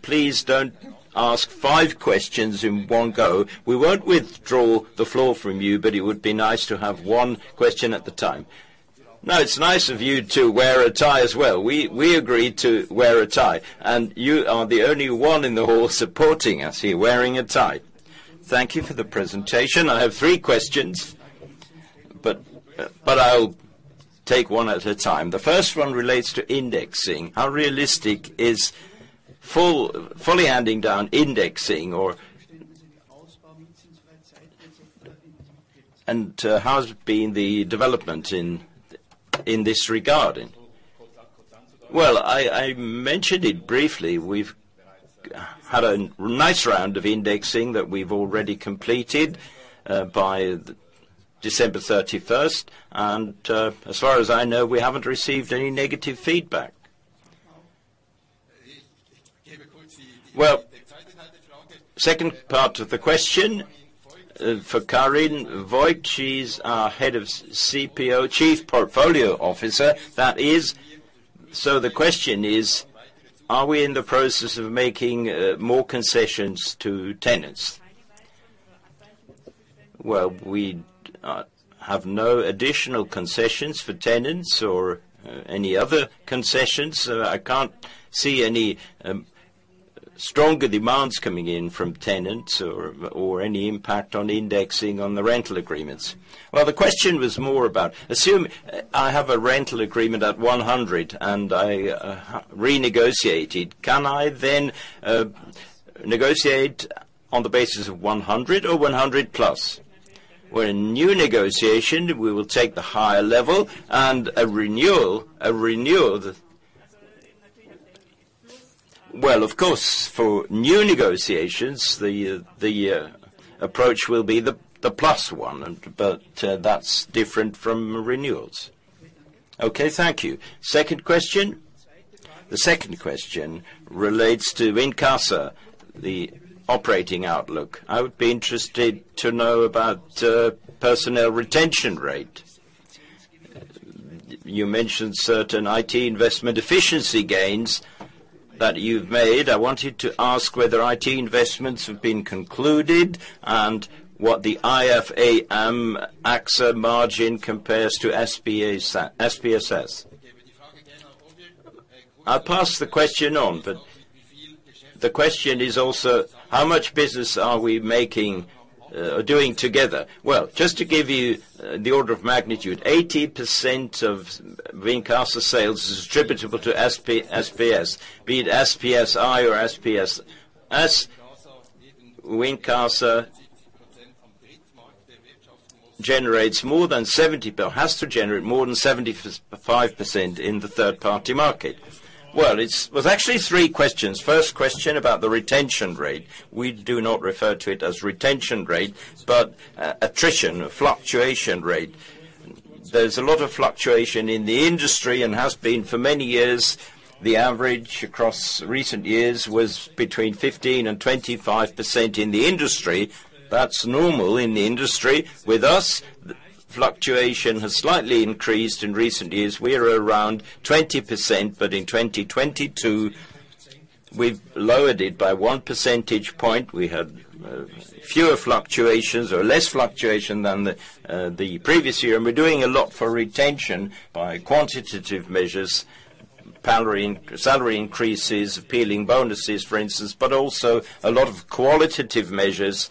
Speaker 2: Please don't ask five questions in one go. We won't withdraw the floor from you, it would be nice to have one question at the time. No, it's nice of you to wear a tie as well. We agreed to wear a tie, you are the only one in the hall supporting us here wearing a tie.
Speaker 3: Thank you for the presentation. I have three questions, I'll take one at a time. The first one relates to indexing. How realistic is fully handing down indexing or... How's it been the development in this regard?
Speaker 2: Well, I mentioned it briefly. We've had a nice round of indexing that we've already completed by December 31st. As far as I know, we haven't received any negative feedback.
Speaker 3: Well, second part of the question for Karin Voigt, she's our head of CPO, chief portfolio officer, that is. The question is, are we in the process of making more concessions to tenants?
Speaker 4: We have no additional concessions for tenants or any other concessions. I can't see any stronger demands coming in from tenants or any impact on indexing on the rental agreements.
Speaker 3: The question was more about, assume I have a rental agreement at 100 and I renegotiate it. Can I then negotiate on the basis of 100 or 100 plus? In new negotiation, we will take the higher level and a renewal...
Speaker 4: Well, of course, for new negotiations, the approach will be the plus one, but that's different from renewals.
Speaker 3: Okay, thank you. Second question? The second question relates to Wincasa, the operating outlook. I would be interested to know about personnel retention rate. You mentioned certain IT investment efficiency gains that you've made. I wanted to ask whether IT investments have been concluded and what the IFAM AXA margin compares to SPS.
Speaker 4: I'll pass the question on, but the question is also how much business are we making doing together? Well, just to give you the order of magnitude, 80% of Wincasa sales is attributable to SPS, be it SPSI or SPS. As Wincasa generates more than 75% in the third-party market. Well, it was actually three questions. First question about the retention rate. We do not refer to it as retention rate, but attrition, a fluctuation rate. There's a lot of fluctuation in the industry and has been for many years. The average across recent years was between 15% and 25% in the industry. That's normal in the industry. With us, fluctuation has slightly increased in recent years. We are around 20%, but in 2022, we've lowered it by one percentage point. We have fewer fluctuations or less fluctuation than the previous year. We're doing a lot for retention by quantitative measures, salary increases, appealing bonuses, for instance, but also a lot of qualitative measures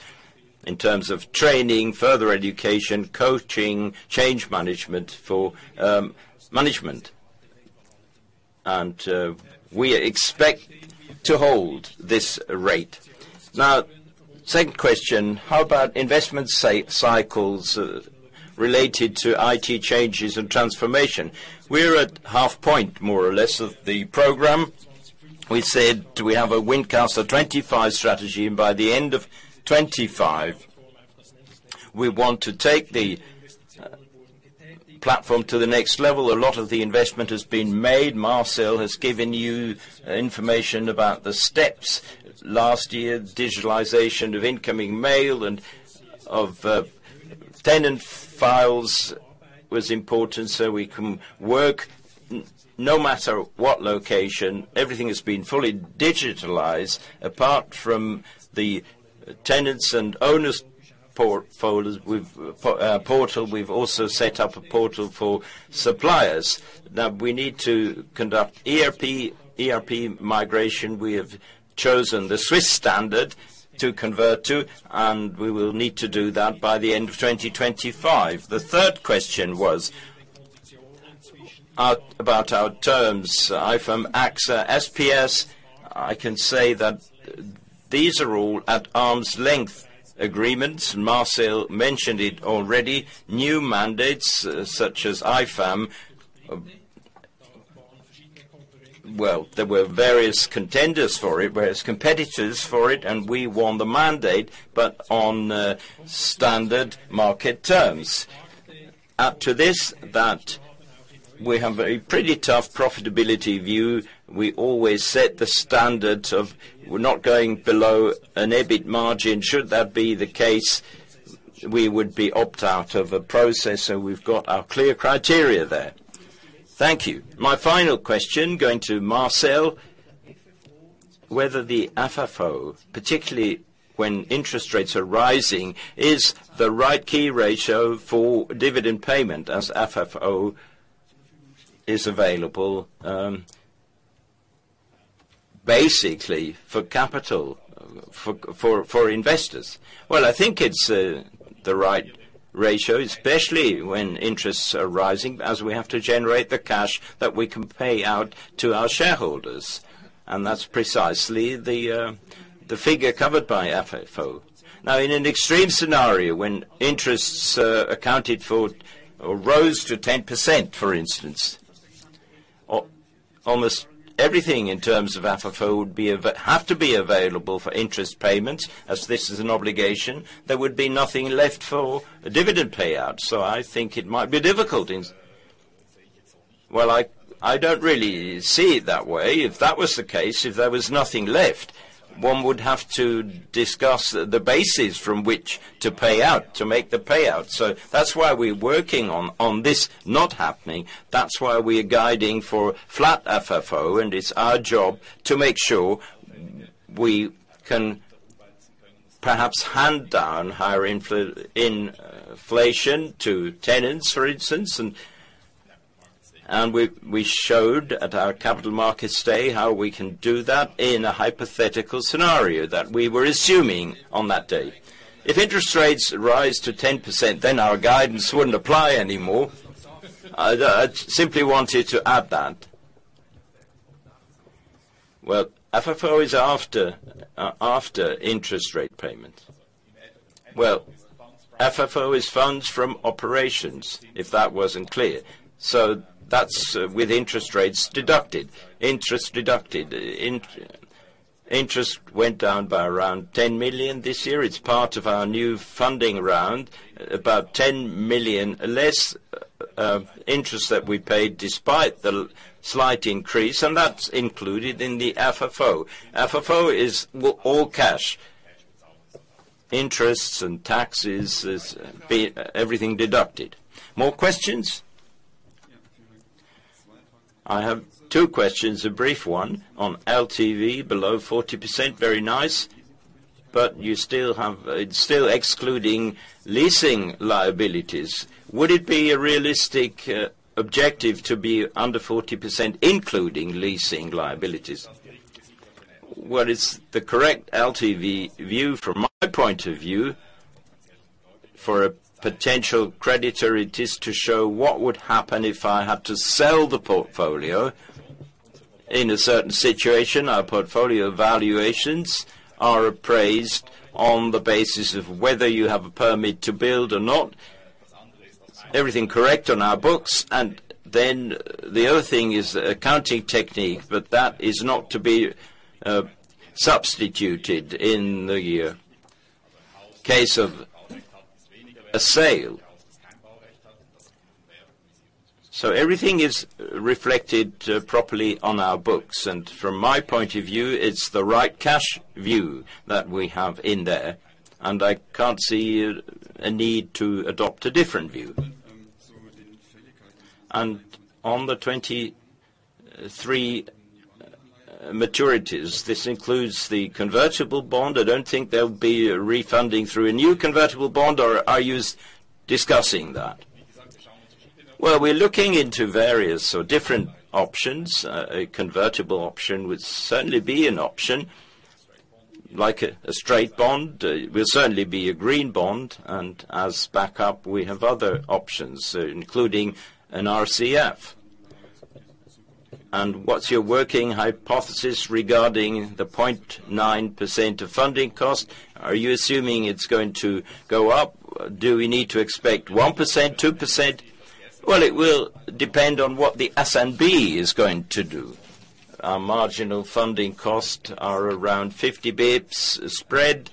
Speaker 4: in terms of training, further education, coaching, change management for management. We expect to hold this rate. Now, second question, how about investment cycles related to IT changes and transformation? We're at half point, more or less, of the program. We said we have a Wincasa 25 strategy. By the end of 2025, we want to take the platform to the next level. A lot of the investment has been made. Marcel has given you information about the steps. Last year, digitalization of incoming mail and of tenant files was important so we can work no matter what location. Everything has been fully digitalized. Apart from the tenants' and owners' portfolios with portal, we've also set up a portal for suppliers. Now, we need to conduct ERP migration. We have chosen the Swiss standard to convert to. We will need to do that by the end of 2025. The third question was about our terms. EPRA, AXA, SPS, I can say that these are all at arm's length agreements. Marcel mentioned it already, new mandates such as EPRA. Well, there were various contenders for it, various competitors for it, we won the mandate, but on standard market terms. Add to this, that we have a pretty tough profitability view. We always set the standards of we're not going below an EBIT margin. Should that be the case, we would be opt out of a process, we've got our clear criteria there. Thank you.
Speaker 3: My final question going to Marcel, whether the FFO, particularly when interest rates are rising, is the right key ratio for dividend payment as FFO is available?
Speaker 2: Basically for capital for investors. Well, I think it's the right ratio, especially when interests are rising as we have to generate the cash that we can pay out to our shareholders. That's precisely the figure covered by FFO. In an extreme scenario, when interests accounted for rose to 10%, for instance, almost everything in terms of FFO would have to be available for interest payments, as this is an obligation. There would be nothing left for a dividend payout. I think it might be difficult in... Well, I don't really see it that way. If that was the case, if there was nothing left, one would have to discuss the basis from which to pay out, to make the payout. That's why we're working on this not happening. That's why we are guiding for flat FFO, and it's our job to make sure we can perhaps hand down higher inflation to tenants, for instance. We showed at our capital markets day how we can do that in a hypothetical scenario that we were assuming on that day. Interest rates rise to 10%, then our guidance wouldn't apply anymore. I simply wanted to add that. Well, FFO is after interest rate payments. Well, FFO is funds from operations, if that wasn't clear. That's with interest rates deducted. Interest deducted. Interest went down by around 10 million this year. It's part of our new funding round. About 10 million less interest that we paid despite the slight increase, and that's included in the FFO. FFO is all cash. Interests and taxes is everything deducted. More questions?
Speaker 3: Yeah. I have two questions. A brief one on LTV below 40%, very nice. It's still excluding leasing liabilities. Would it be a realistic, objective to be under 40%, including leasing liabilities? What is the correct LTV view from my point of view, for a potential creditor, it is to show what would happen if I had to sell the portfolio in a certain situation.
Speaker 2: Our portfolio valuations are appraised on the basis of whether you have a permit to build or not. Everything correct on our books. Then the other thing is accounting technique, but that is not to be substituted in the year case of a sale. Everything is reflected properly on our books, and from my point of view, it's the right cash view that we have in there, and I can't see a need to adopt a different view. On the 23 maturities, this includes the convertible bond.
Speaker 3: I don't think there'll be a refunding through a new convertible bond, or are you discussing that? Well, we're looking into various or different options. A convertible option would certainly be an option. Like a straight bond. It will certainly be a green bond. As backup, we have other options, including an RCF. What's your working hypothesis regarding the 0.9% of funding cost? Are you assuming it's going to go up? Do we need to expect 1%, 2%?
Speaker 2: Well, it will depend on what the S&P is going to do. Our marginal funding costs are around 50 bips spread.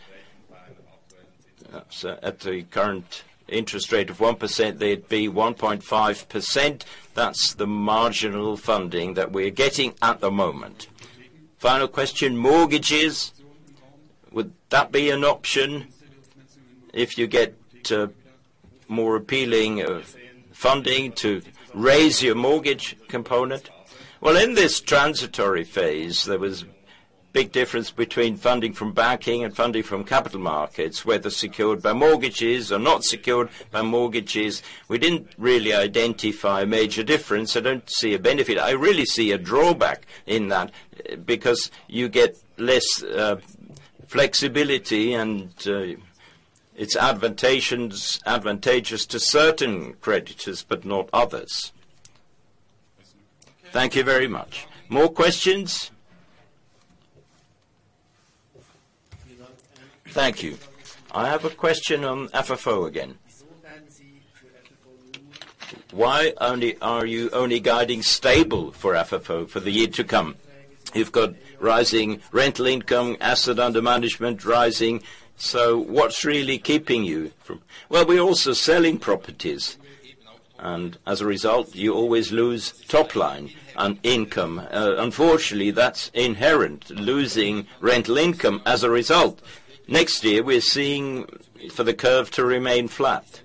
Speaker 2: At the current interest rate of 1%, they'd be 1.5%. That's the marginal funding that we're getting at the moment.
Speaker 3: Final question, mortgages, would that be an option if you get more appealing funding to raise your mortgage component?
Speaker 2: Well, in this transitory phase, there was big difference between funding from banking and funding from capital markets, whether secured by mortgages or not secured by mortgages. We didn't really identify a major difference. I don't see a benefit. I really see a drawback in that because you get less flexibility and it's advantageous to certain creditors, but not others. Thank you very much. More questions?
Speaker 3: Thank you. I have a question on FFO again. Why are you only guiding stable for FFO for the year to come? You've got rising rental income, asset under management rising. What's really keeping you from?
Speaker 2: Well, we're also selling properties. As a result, you always lose top line and income. Unfortunately, that's inherent, losing rental income as a result. Next year, we're seeing for the curve to remain flat.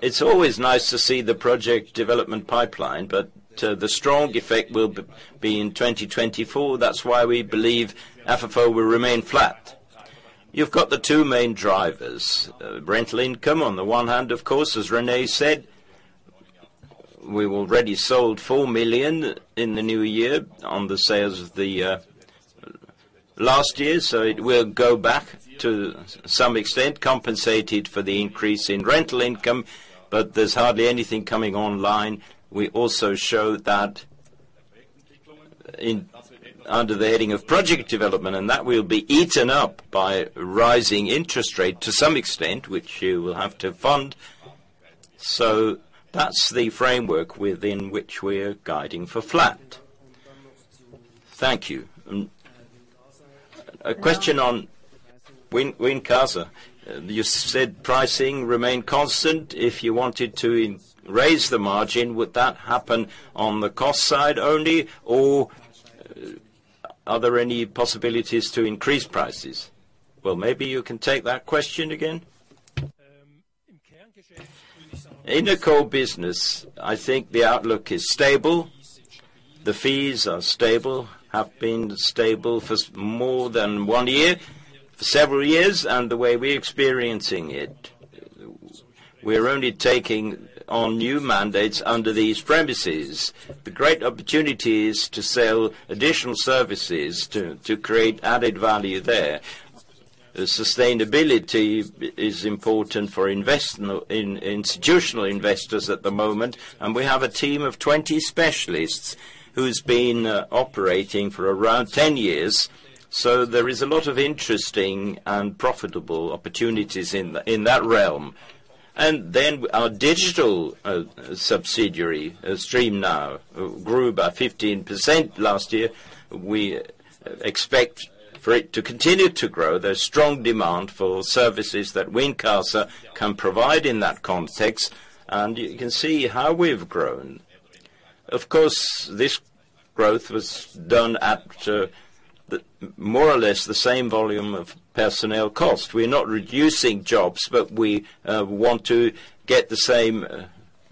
Speaker 2: It's always nice to see the project development pipeline, the strong effect will be in 2024. That's why we believe FFO will remain flat. You've got the two main drivers. Rental income on the one hand, of course, as René said, we've already sold 4 million in the new year on the sales of the last year, so it will go back to some extent, compensated for the increase in rental income, but there's hardly anything coming online. We also show that under the heading of project development, and that will be eaten up by rising interest rate to some extent, which you will have to fund. That's the framework within which we're guiding for flat. Thank you.
Speaker 3: A question on Wincasa. You said pricing remained constant. If you wanted to raise the margin, would that happen on the cost side only, or are there any possibilities to increase prices? Maybe you can take that question again.
Speaker 2: In the core business, I think the outlook is stable. The fees are stable, have been stable for more than one year, for several years, and the way we're experiencing it, we're only taking on new mandates under these premises. The great opportunity is to sell additional services to create added value there. Sustainability is important in institutional investors at the moment. We have a team of 20 specialists who's been operating for around 10 years. There is a lot of interesting and profitable opportunities in that realm. Our digital subsidiary, Streamnow, grew by 15% last year. We expect for it to continue to grow. There's strong demand for services that Wincasa can provide in that context, and you can see how we've grown. Of course, Growth was done at more or less the same volume of personnel cost. We're not reducing jobs, but we want to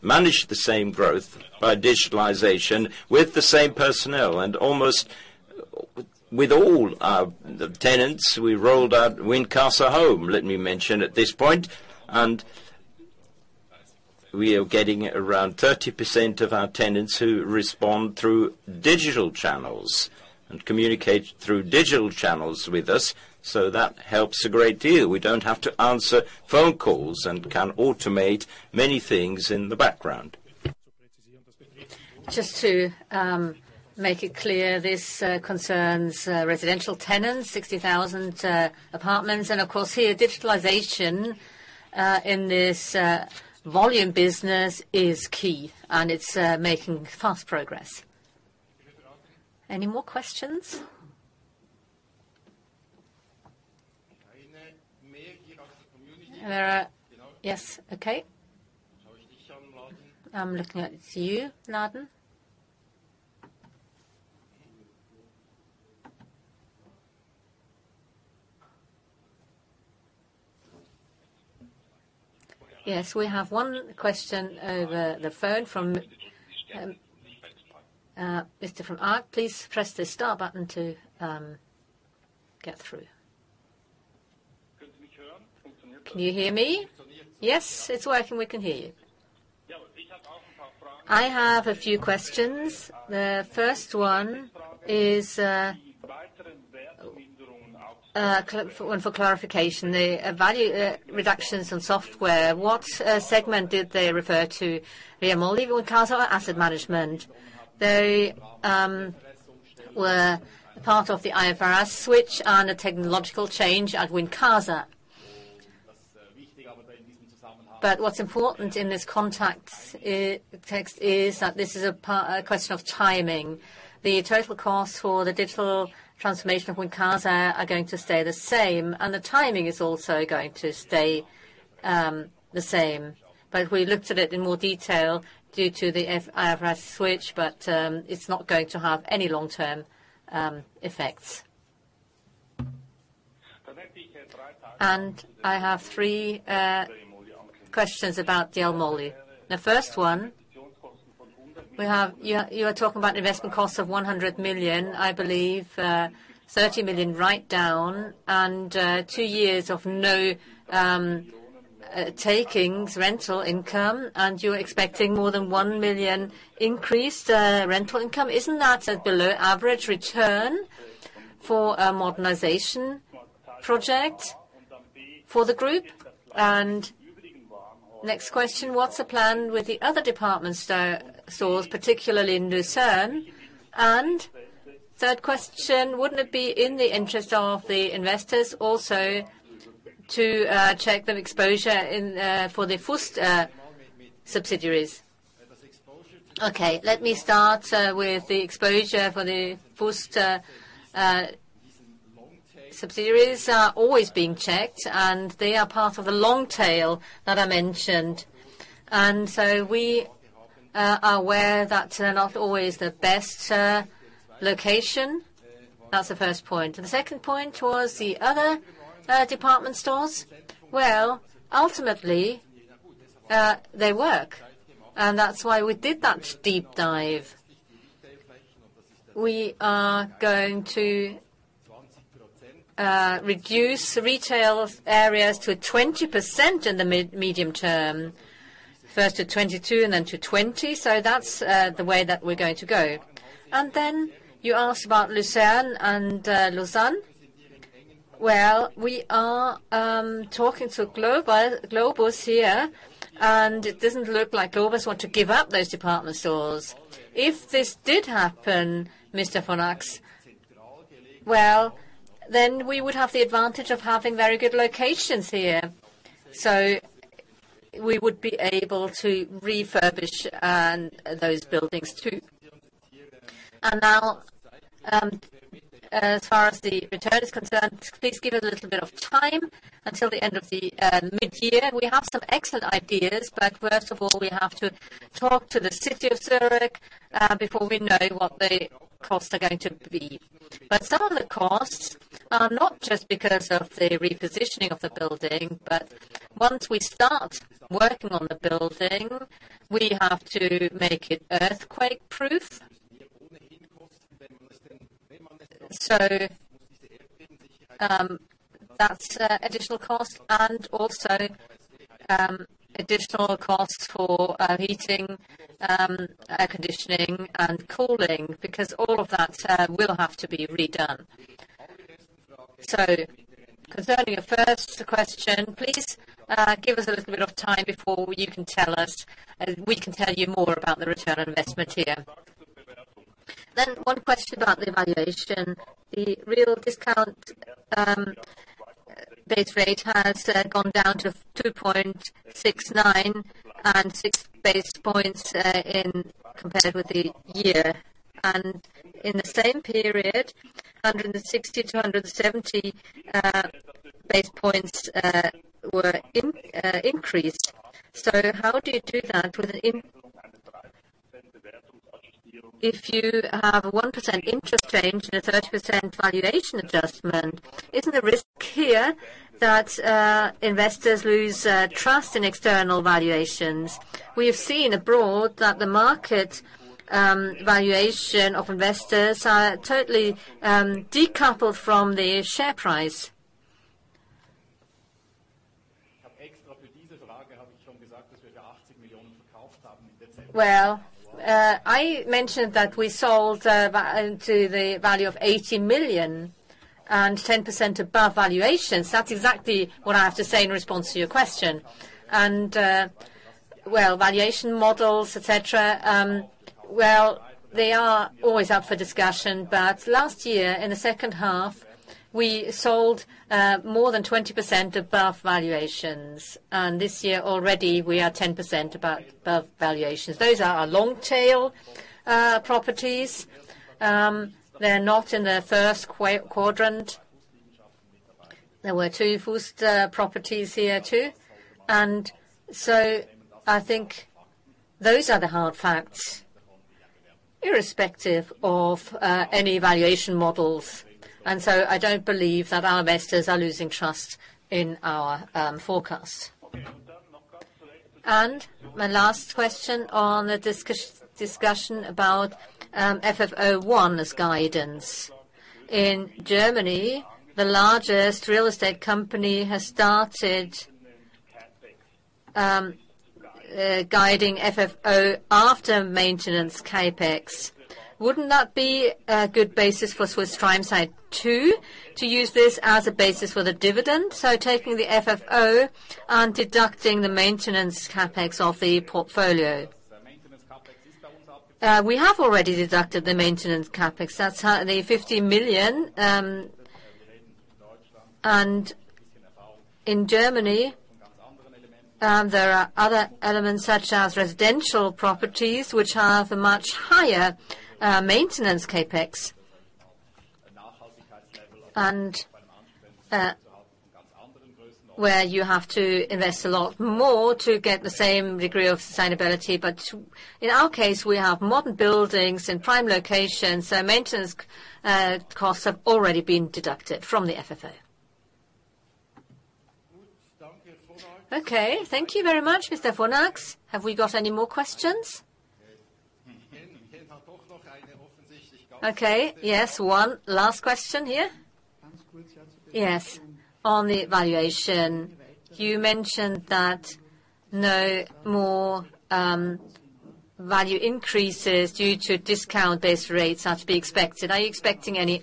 Speaker 2: manage the same growth by digitalization with the same personnel. Almost with all our, the tenants, we rolled out Wincasa Home, let me mention at this point. We are getting around 30% of our tenants who respond through digital channels and communicate through digital channels with us, so that helps a great deal. We don't have to answer phone calls and can automate many things in the background.
Speaker 1: Just to make it clear, this concerns residential tenants, 60,000 apartments. Of course, here, digitalization in this volume business is key, and it's making fast progress. Any more questions? Yes. Okay. I'm looking at you, Mladen. We have one question over the phone from Mr. Von Arx. Please press the star button to get through.
Speaker 3: Can you hear me?
Speaker 1: Yes. It's working. We can hear you.
Speaker 3: I have a few questions. The first one is one for clarification. The value reductions in software, what segment did they refer to, Immobilien, Wincasa, or Asset Management?
Speaker 1: They were part of the IFRS switch and a technological change at Wincasa. What's important in this context is that this is a question of timing. The total cost for the digital transformation of Wincasa are going to stay the same, and the timing is also going to stay the same. We looked at it in more detail due to the IFRS switch, but it's not going to have any long-term effects.
Speaker 3: I have three questions about the Immobilien. The first one, we have... You were talking about investment costs of 100 million, I believe, 30 million write down, and two years of no takings rental income, and you're expecting more than 1 million increased rental income. Isn't that a below average return for a modernization project for the group? Next question, what's the plan with the other department stores, particularly in Lucerne? Third question, wouldn't it be in the interest of the investors also to check the exposure in for the Fust subsidiaries?
Speaker 1: Okay. Let me start with the exposure for the Fust subsidiaries are always being checked, and they are part of the long tail that I mentioned. We are aware that they're not always the best location. That's the first point. The second point was the other department stores. Well, ultimately, they work, and that's why we did that deep dive. We are going to reduce retail areas to 20% in the mid-medium term. First to 22, and then to 20. That's the way that we're going to go. Then you asked about Lucerne and Lausanne. Well, we are talking to Globus here, and it doesn't look like Globus want to give up those department stores. If this did happen, Mr. Von Arx, well, then we would have the advantage of having very good locations here. We would be able to refurbish those buildings too. Now, as far as the return is concerned, please give it a little bit of time until the end of the mid-year. We have some excellent ideas. First of all, we have to talk to the city of Zurich before we know what the costs are going to be. Some of the costs are not just because of the repositioning of the building, but once we start working on the building, we have to make it earthquake-proof. That's additional cost and also additional costs for heating, air conditioning and cooling, because all of that will have to be redone. Concerning your first question, please give us a little bit of time. We can tell you more about the return on investment here.
Speaker 3: One question about the valuation. The real discount base rate has gone down to 2.69 and 6 basis points compared with the year. In the same period, 160 to 170 basis points were increased. So how do you do that? If you have a 1% interest change and a 30% valuation adjustment, isn't the risk here that investors lose trust in external valuations? We have seen abroad that the market valuation of investors are totally decoupled from the share price.
Speaker 1: Well, I mentioned that we sold to the value of 80 million and 10% above valuations. That's exactly what I have to say in response to your question. Well, valuation models, et cetera, well, they are always up for discussion, but last year, in the 2nd half, we sold more than 20% above valuations. This year already, we are 10% above valuations. Those are our long tail properties. They're not in the first quadrant. There were two Fust properties here too. I think those are the hard facts, irrespective of any valuation models. I don't believe that our investors are losing trust in our forecast.
Speaker 3: My last question on the discussion about FFO one's guidance. In Germany, the largest real estate company has started guiding FFO after maintenance CapEx. Wouldn't that be a good basis for Swiss Prime Site too, to use this as a basis for the dividend? Taking the FFO and deducting the maintenance CapEx of the portfolio.
Speaker 1: We have already deducted the maintenance CapEx. That's the 50 million. In Germany, there are other elements such as residential properties, which have a much higher maintenance CapEx. Where you have to invest a lot more to get the same degree of sustainability. In our case, we have modern buildings in prime locations, so maintenance costs have already been deducted from the FFO. Okay, thank you very much, Mr. Von Arx. Have we got any more questions?
Speaker 3: Okay. Yes, one last question here. Yes, on the valuation, you mentioned that no more value increases due to discount base rates are to be expected. Are you expecting any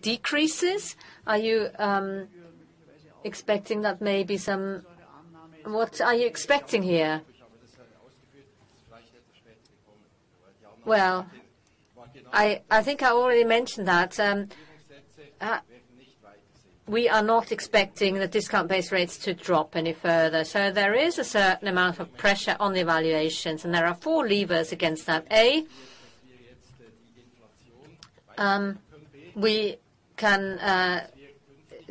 Speaker 3: decreases? What are you expecting here?
Speaker 1: Well, I think I already mentioned that we are not expecting the discount base rates to drop any further. There is a certain amount of pressure on the valuations, and there are four levers against that. We can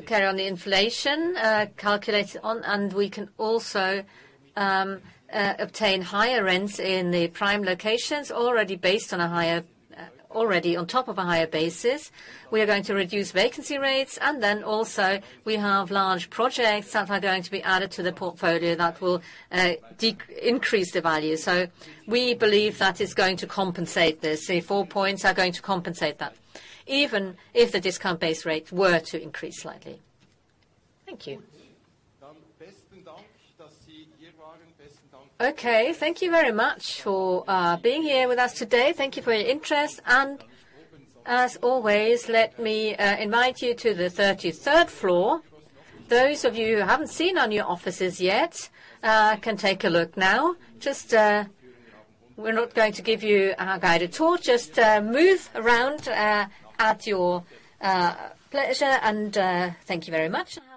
Speaker 1: carry on the inflation calculated on, we can also obtain higher rents in the prime locations already based on a higher already on top of a higher basis. We are going to reduce vacancy rates. Then also we have large projects that are going to be added to the portfolio that will increase the value. We believe that is going to compensate this. The four points are going to compensate that, even if the discount base rates were to increase slightly. Thank you. Thank you very much for being here with us today. Thank you for your interest. As always, let me invite you to the 33rd floor. Those of you who haven't seen our new offices yet, can take a look now. Just, we're not going to give you our guided tour. Just, move around, at your pleasure. Thank you very much, and have a nice-